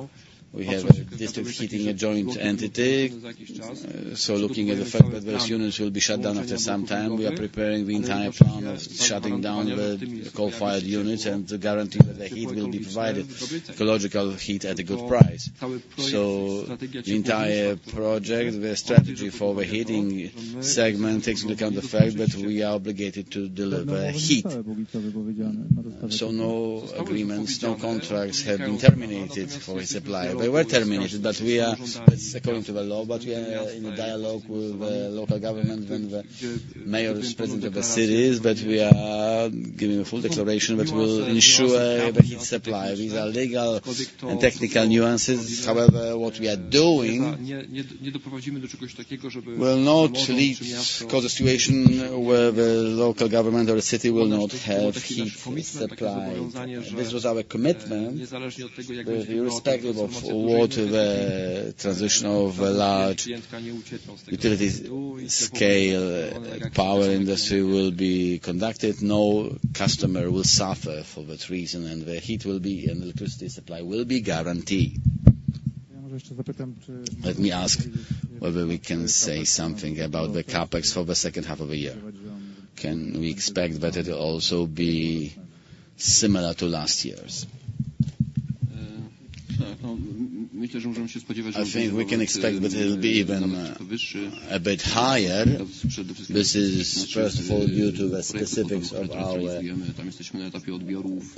We have a district heating, a joint entity. So looking at the fact that those units will be shut down after some time, we are preparing the entire plan of shutting down the coal-fired units and guaranteeing that the heat will be provided, ecological heat at a good price. So the entire project, the strategy for the heating segment, takes into account the fact that we are obligated to deliver heat. So no agreements, no contracts have been terminated for the supplier. They were terminated, but we are, that's according to the law, but we are in a dialogue with the local government and the mayors, president of the cities, that we are giving a full declaration that we'll ensure the heat supply. These are legal and technical nuances. However, what we are doing will not lead, cause a situation where the local government or the city will not have heat supply. This was our commitment, irrespective of what the transition of a large utility-scale power industry will be conducted, no customer will suffer for that reason, and the heat will be, and the electricity supply will be guaranteed. Let me ask whether we can say something about the CapEx for the second half of the year. Can we expect that it will also be similar to last year's? I think we can expect that it'll be even, a bit higher. This is first of all, due to the specifics of our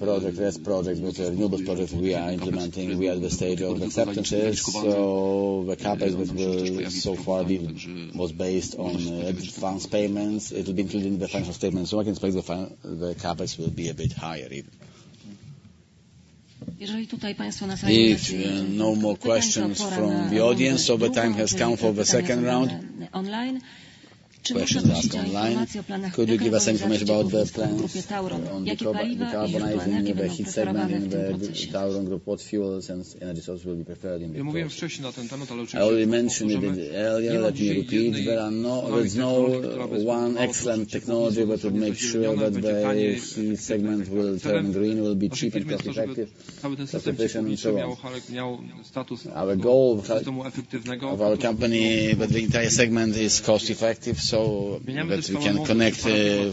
project. Yes, projects, which are numerous projects we are implementing. We are at the stage of acceptances, so the CapEx, which will so far be, was based on, advanced payments. It will be included in the financial statement, so I can expect the CapEx will be a bit higher even. If no more questions from the audience, so the time has come for the second round. Questions are asked online. Could you give us information about the plans on the decarbonizing, the heat segment in the Tauron Group, what fuels and energy sources will be preferred in the—I already mentioned it earlier, let me repeat. There are no—there's no one excellent technology, but to make sure that the heat segment will turn green, will be cheap and cost effective, cost efficient, and so on. Our goal of our company, but the entire segment is cost effective, so that we can connect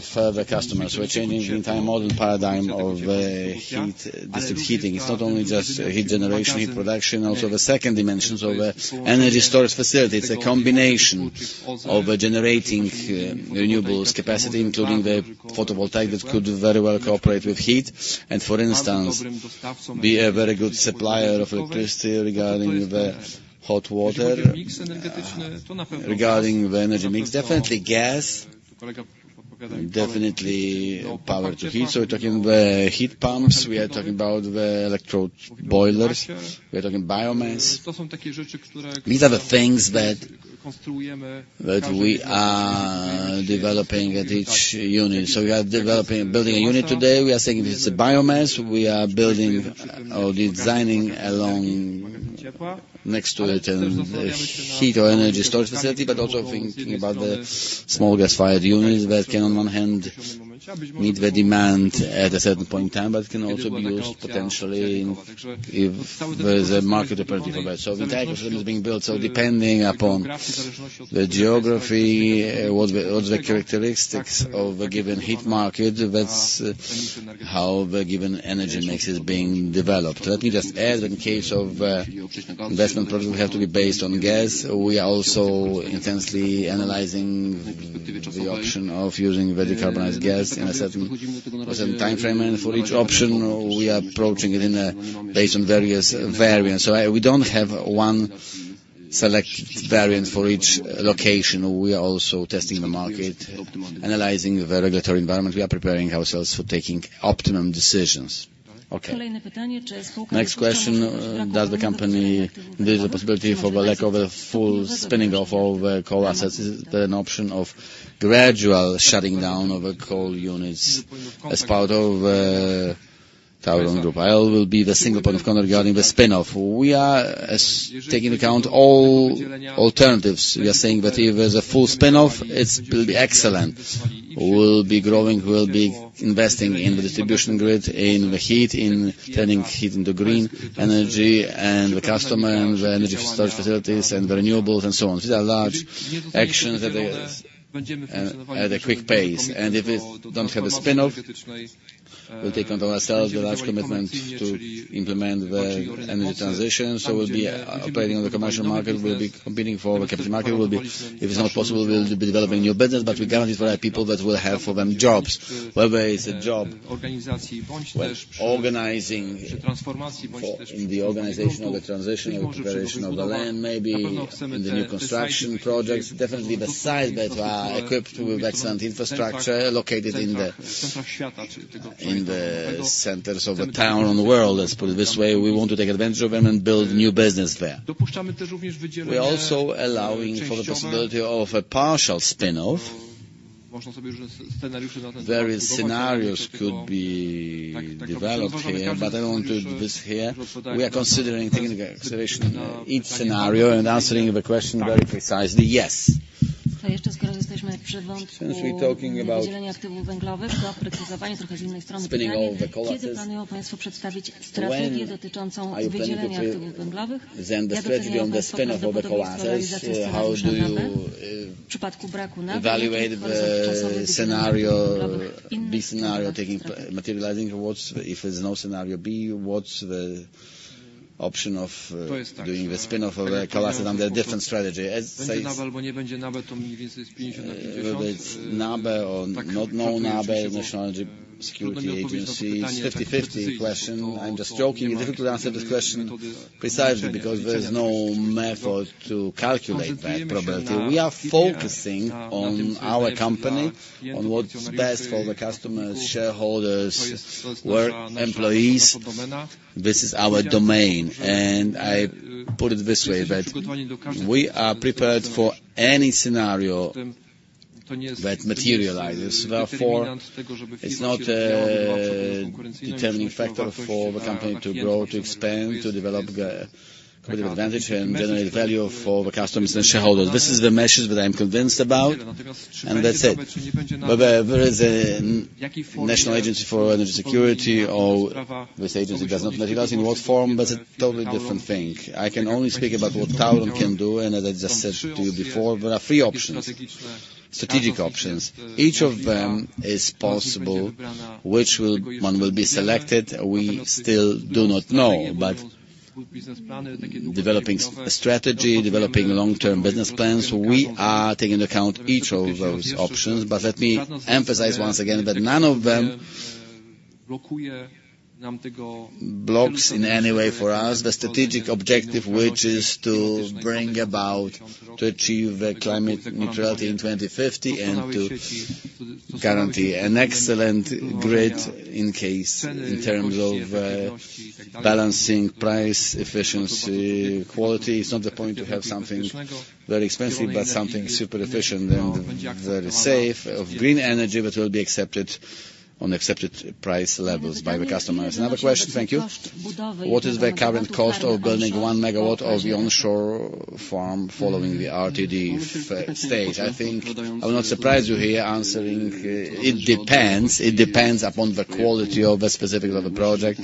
further customers. We're changing the entire modern paradigm of the heat, district heating. It's not only just heat generation, heat production, also the second dimensions of the energy storage facility. It's a combination of generating renewables capacity, including the photovoltaics, that could very well cooperate with heat, and for instance, be a very good supplier of electricity regarding the hot water. Regarding the energy mix, definitely gas, definitely power to heat. So we're talking the heat pumps, we are talking about the electrode boilers, we are talking biomass. These are the things that we are developing at each unit. So we are developing, building a unit today, we are saying this is a biomass. We are building or designing next to the term, heat or energy storage facility, but also thinking about the small gas-fired units that can on one hand, meet the demand at a certain point in time, but can also be used potentially in, if there is a market opportunity for that. So the type of system is being built, so depending upon the geography, what's the characteristics of a given heat market, that's how the given energy mix is being developed. Let me just add, in case of investment projects have to be based on gas, we are also intensely analyzing the option of using decarbonized gas in a certain time frame, and for each option, we are approaching it in a based on various variants. We don't have one select variant for each location. We are also testing the market, analyzing the regulatory environment. We are preparing ourselves for taking optimum decisions. Okay. Next question: Does the company, there's a possibility for the lack of a full spin-off of the coal assets? Is there an option of gradual shutting down of the coal units as part of Tauron Group? I will be the single point of contact regarding the spin-off. We are taking into account all alternatives. We are saying that if there's a full spin-off, it will be excellent. We'll be growing, we'll be investing in the distribution grid, in the heat, in turning heat into green energy, and the customer, and the energy storage facilities, and renewables, and so on. These are large actions at a quick pace. And if it don't have a spin-off, we'll take onto ourselves the large commitment to implement the energy transition. So we'll be operating on the commercial market, we'll be competing for the capital market, we'll be... If it's not possible, we'll be developing new business, but we guarantee for our people that we'll have for them jobs. Whether it's a job when organizing in the organization of the transition or preparation of the land, maybe in the new construction projects, definitely the sites that are equipped with excellent infrastructure located in the centers of the town and the world, let's put it this way. We want to take advantage of them and build new business there. We are also allowing for the possibility of a partial spin-off. Various scenarios could be developed here, but I won't do this here. We are considering taking observation on each scenario and answering the question very precisely, yes. Since we're talking about spinning all the coal assets, when are you going to then the strategy on the spin-off of the coal assets, how do you evaluate the scenario, B scenario, taking materializing? What if there's no scenario B, what's the option of doing the spin-off of the coal assets under a different strategy? As says whether it's NABE or not no NABE, National Energy Security Agency, it's fifty-fifty question. I'm just joking. It's difficult to answer this question precisely because there is no method to calculate that probability. We are focusing on our company, on what's best for the customers, shareholders, work, employees. This is our domain, and I put it this way, that we are prepared for any scenario that materializes. Therefore, it's not a determining factor for the company to grow, to expand, to develop the competitive advantage and generate value for the customers and shareholders. This is the message that I am convinced about, and that's it. Whether, whether the National Energy Security Agency or this agency does not materialize, in what form, that's a totally different thing. I can only speak about what Tauron can do, and as I just said to you before, there are three options, strategic options. Each of them is possible, which will, one will be selected, we still do not know, but developing strategy, developing long-term business plans, we are taking into account each of those options. But let me emphasize once again that none of them blocks in any way for us the strategic objective, which is to bring about, to achieve the climate neutrality in 2050, and to guarantee an excellent grid in case, in terms of, balancing price, efficiency, quality. It's not the point to have something very expensive, but something super efficient and very safe, of green energy that will be accepted on accepted price levels by the customers. Another question? Thank you. What is the current cost of building one MW of the onshore farm following the RTB stage? I think I will not surprise you here answering, it depends. It depends upon the quality of the specific level project.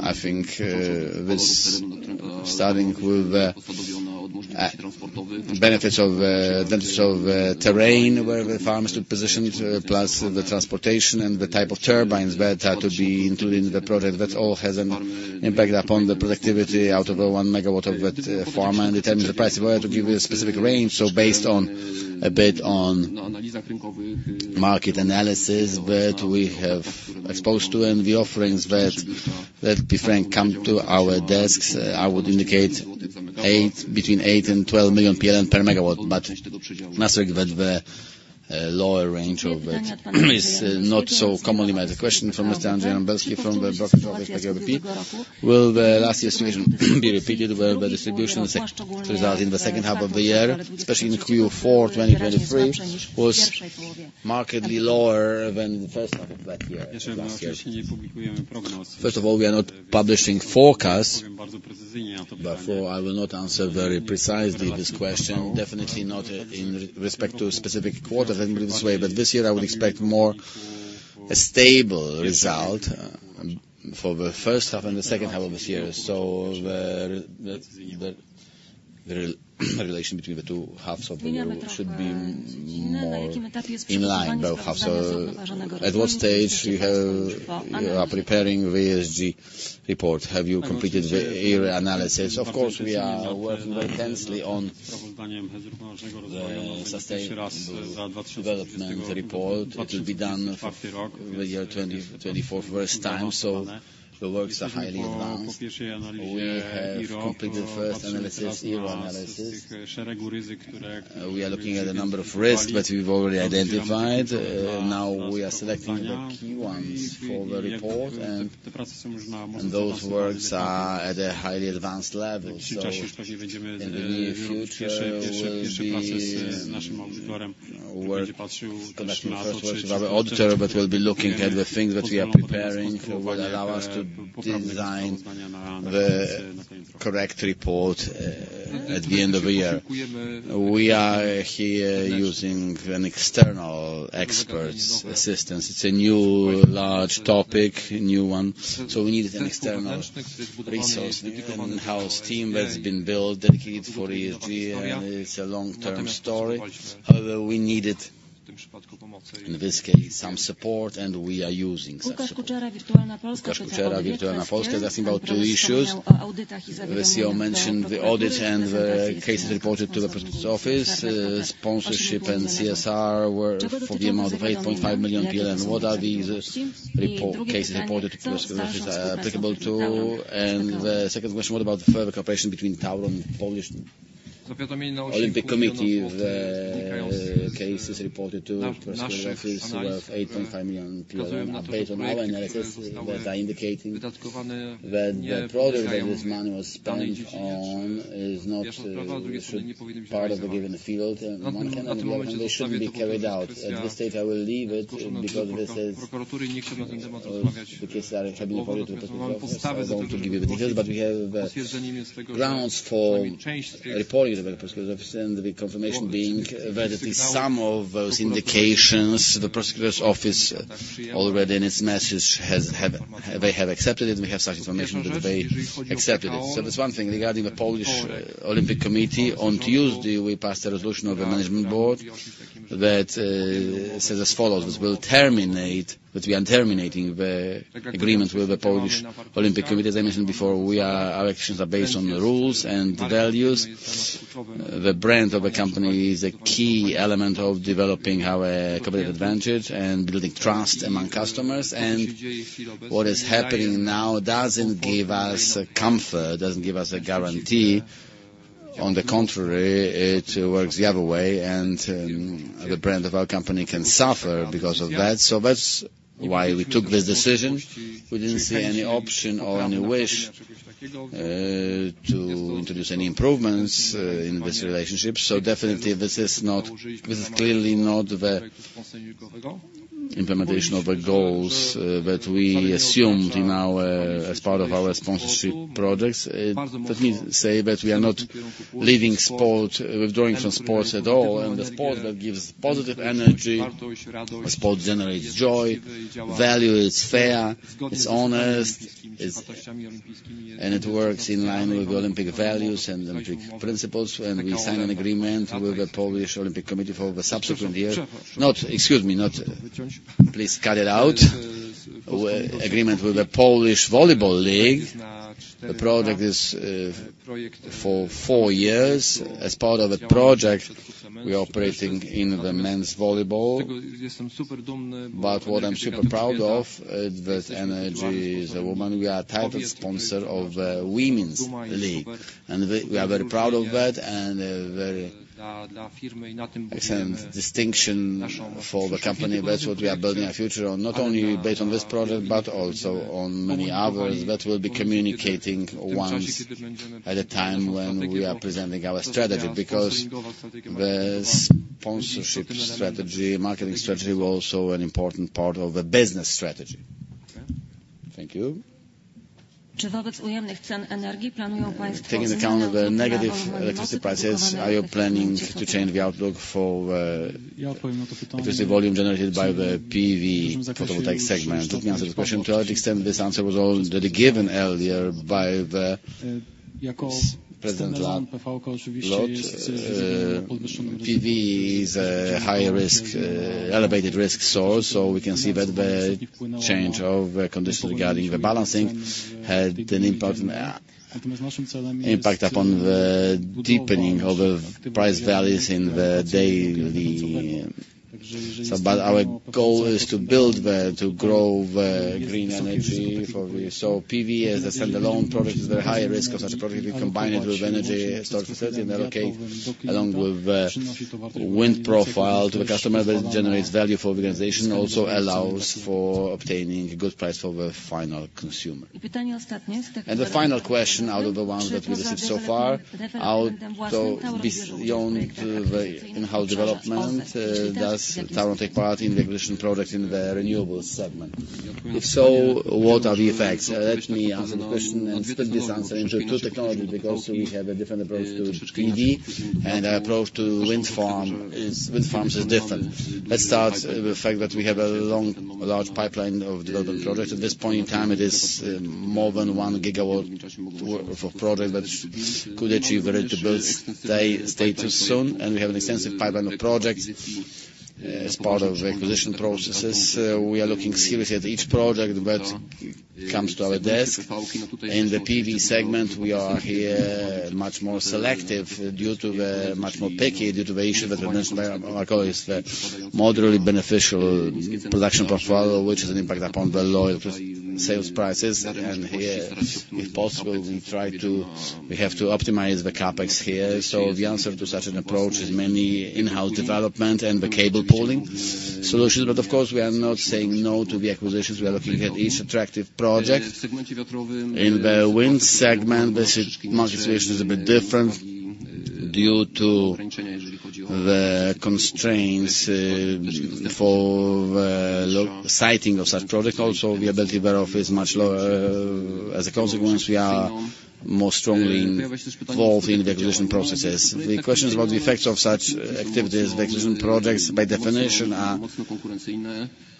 I think this starting with benefits of terrain, where the farms to position it, plus the transportation and the type of turbines that are to be included in the project, that all has an impact upon the productivity out of the one MW of that farm, and determines the price. Were to give you a specific range, so based on a bit on market analysis that we have exposed to and the offerings that, be frank, come to our desks, I would indicate between eight and 12 million PLN per MW. But noting that a lower range of it is not so commonly made. The question from Mr. Wilk Will the last estimation be repeated by the distribution result in the second half of the year, especially in Q4 2023, was markedly lower than the first half of that year, last year? First of all, we are not publishing forecast, therefore, I will not answer very precisely this question. Definitely not in respect to specific quarters, let me put it this way, but this year I would expect more a stable result for the first half and the second half of this year. So the relation between the two halves of the year should be more in line, both halves. At what stage are you preparing the ESG report? Have you completed the era analysis? Of course, we are working very intensely on the sustainable development report. It will be done for the year 2024 first time, so the works are highly advanced. We have completed the first analysis, ESG analysis. We are looking at a number of risks, but we've already identified. Now we are selecting the key ones for the report, and those works are at a highly advanced level. So in the near future, we'll be selecting first with our auditor, but we'll be looking at the things that we are preparing will allow us to design the correct report at the end of the year. We are here using an external expert's assistance. It's a new, large topic, a new one, so we need an external resource. We have in-house team that's been built, dedicated for ESG, and it's a long-term story. However, we needed, in this case, some support, and we are using some support. Katarzyna Wirtualna Polska is asking about two issues. The CEO mentioned the audit and the cases reported to the prosecutor's office. Sponsorship and CSR were for the amount of 8.5 million. What are these reported cases reported to the applicable to? And the second question: What about the further cooperation between Tauron and Polish Olympic Committee? The cases reported to prosecutor's office were 8.5 million. Based on our analysis that are indicating that the projects that this money was spent on is not should part of the given field, and one can, and they should be carried out. At this stage, I will leave it because this is the cases are already reported to the office. I don't want to give you the details, but we have the grounds for reporting to the prosecutor's office, and the confirmation being that at least some of those indications, the prosecutor's office, already in its message, has, have, they have accepted it. We have such information that they accepted it, so there's one thing regarding the Polish Olympic Committee. On Tuesday, we passed a resolution of the management board that says as follows: We'll terminate, that we are terminating the agreement with the Polish Olympic Committee. As I mentioned before, we are, our actions are based on the rules and the values. The brand of a company is a key element of developing our competitive advantage and building trust among customers, and what is happening now doesn't give us comfort, doesn't give us a guarantee. On the contrary, it works the other way, and the brand of our company can suffer because of that. So that's why we took this decision. We didn't see any option or any wish to introduce any improvements in this relationship. So definitely, this is not, this is clearly not the implementation of the goals that we assumed in our, as part of our sponsorship projects. Let me say that we are not leaving sport, withdrawing from sports at all, and the sport that gives positive energy, a sport generates joy, value, it's fair, it's honest, it's... and it works in line with the Olympic values and Olympic principles. When we sign an agreement with the Polish Olympic Committee for the subsequent year- Not, excuse me, not, please cut it out. Agreement with the Polish Volleyball League. The project is for four years. As part of the project, we are operating in the men's volleyball. But what I'm super proud of is that energy is a woman. We are a title sponsor of the women's league, and we are very proud of that and, very excellent distinction for the company. That's what we are building our future on, not only based on this project, but also on many others that we'll be communicating one at a time when we are presenting our strategy, because the sponsorship strategy, marketing strategy, was also an important part of the business strategy. Thank you. Taking into account the negative electricity prices, are you planning to change the outlook for, if it's the volume generated by the PV photovoltaic segment? Thank you for the question. To a large extent, this answer was already given earlier by President Lot. PV is a high risk, elevated risk source, so we can see that the change of the conditions regarding the balancing had an impact upon the deepening of the price values in the daily. So but our goal is to build the, to grow the green energy for we. So PV as a standalone product, is very high risk of such a product. We combine it with energy storage facility, and along with the wind profile to the customer, that generates value for the organization, also allows for obtaining a good price for the final consumer. And the final question, out of the ones that we received so far, so beyond the in-house development, does Tauron take part in the acquisition project in the renewables segment? If so, what are the effects? Let me answer the question and split this answer into two technologies, because we have a different approach to PV, and our approach to wind farms is different. Let's start with the fact that we have a long, large pipeline of development projects. At this point in time, it is more than one gigawatt of project that could achieve ready-to-build day status soon, and we have an extensive pipeline of projects as part of the acquisition processes. We are looking seriously at each project, but it comes to our desk. In the PV segment, we are here much more selective due to the issue that I call is the moderately beneficial production portfolio, which has an impact upon the lower sales prices. And here, if possible, we try to... We have to optimize the CapEx here. The answer to such an approach is mainly in-house development and the cable pooling solution. But of course, we are not saying no to the acquisitions. We are looking at each attractive project. In the wind segment, basic market situation is a bit different due to the constraints for the siting of such projects. Also, the ability thereof is much lower. As a consequence, we are more strongly involved in the acquisition processes. The questions about the effects of such activities, the acquisition projects, by definition, are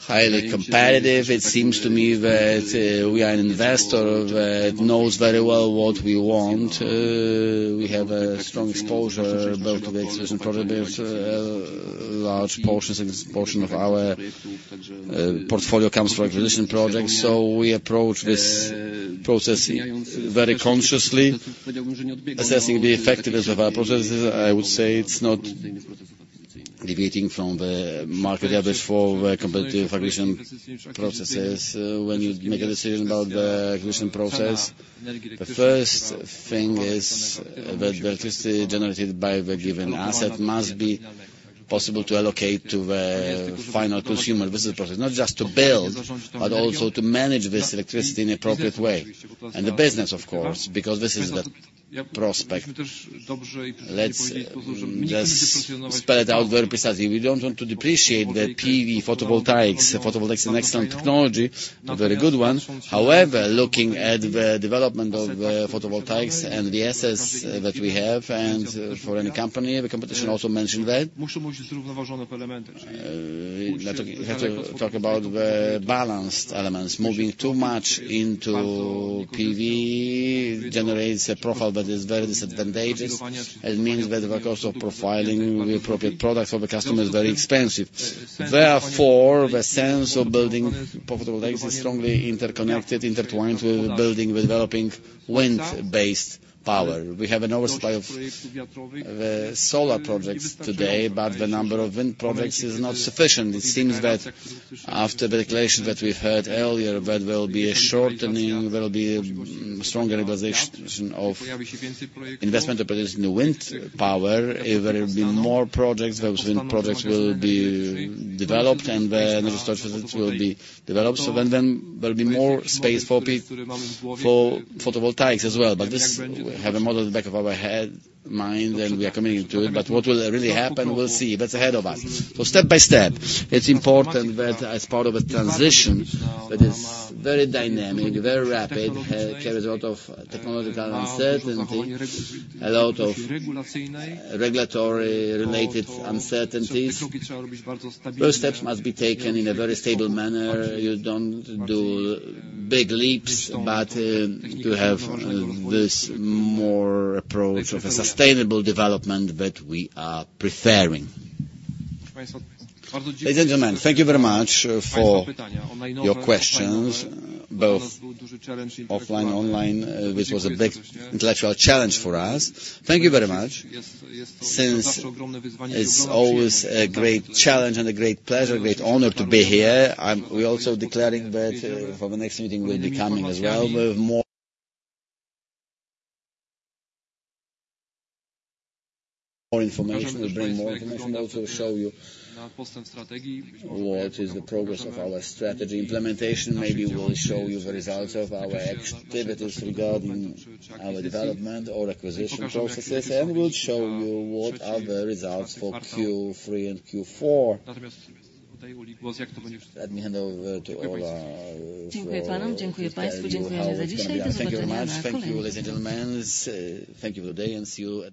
highly competitive. It seems to me that we are an investor that knows very well what we want. We have a strong exposure, both with acquisition projects, a large portion of our portfolio comes from acquisition projects. So we approach this process very consciously, assessing the effectiveness of our processes. I would say it's not deviating from the market average for the competitive acquisition processes. When you make a decision about the acquisition process, the first thing is that the electricity generated by the given asset must be possible to allocate to the final consumer. This is the process, not just to build, but also to manage this electricity in appropriate way. And the business, of course, because this is the prospect. Let's just spell it out very precisely. We don't want to depreciate the PV photovoltaics. Photovoltaics is an excellent technology, a very good one. However, looking at the development of the photovoltaics and the assets that we have, and for any company, the competition also mentioned that. We have to talk about the balanced elements. Moving too much into PV generates a profile that is very disadvantageous, and means that the cost of profiling the appropriate products for the customer is very expensive. Therefore, the sense of building photovoltaics is strongly interconnected, intertwined with building, developing wind-based power. We have an oversupply of the solar projects today, but the number of wind projects is not sufficient. It seems that after the declaration that we've heard earlier, there will be a shortening, there will be a stronger realization of investment opportunities in the wind power. There will be more projects, the wind projects will be developed, and the energy storage will be developed. So then, then there'll be more space for P- for photovoltaics as well. But this, we have a model at the back of our head, mind, and we are committing to it. But what will really happen, we'll see. That's ahead of us. So step by step, it's important that as part of a transition, that is very dynamic, very rapid, carries a lot of technological uncertainty, a lot of regulatory-related uncertainties. Those steps must be taken in a very stable manner. You don't do big leaps, but you have this more approach of a sustainable development that we are preferring. Ladies and gentlemen, thank you very much for your questions, both offline and online. This was a big intellectual challenge for us. Thank you very much. Since it's always a great challenge and a great pleasure, great honor to be here, we're also declaring that, for the next meeting, we'll be coming as well with more information. We'll bring more information, also show you what is the progress of our strategy implementation. Maybe we'll show you the results of our activities regarding our development or acquisition processes, and we'll show you what are the results for Q3 and Q4. Let me hand over to Ola for- Thank you. Thank you very much. Thank you, ladies and gentlemen. Thank you for today, and see you-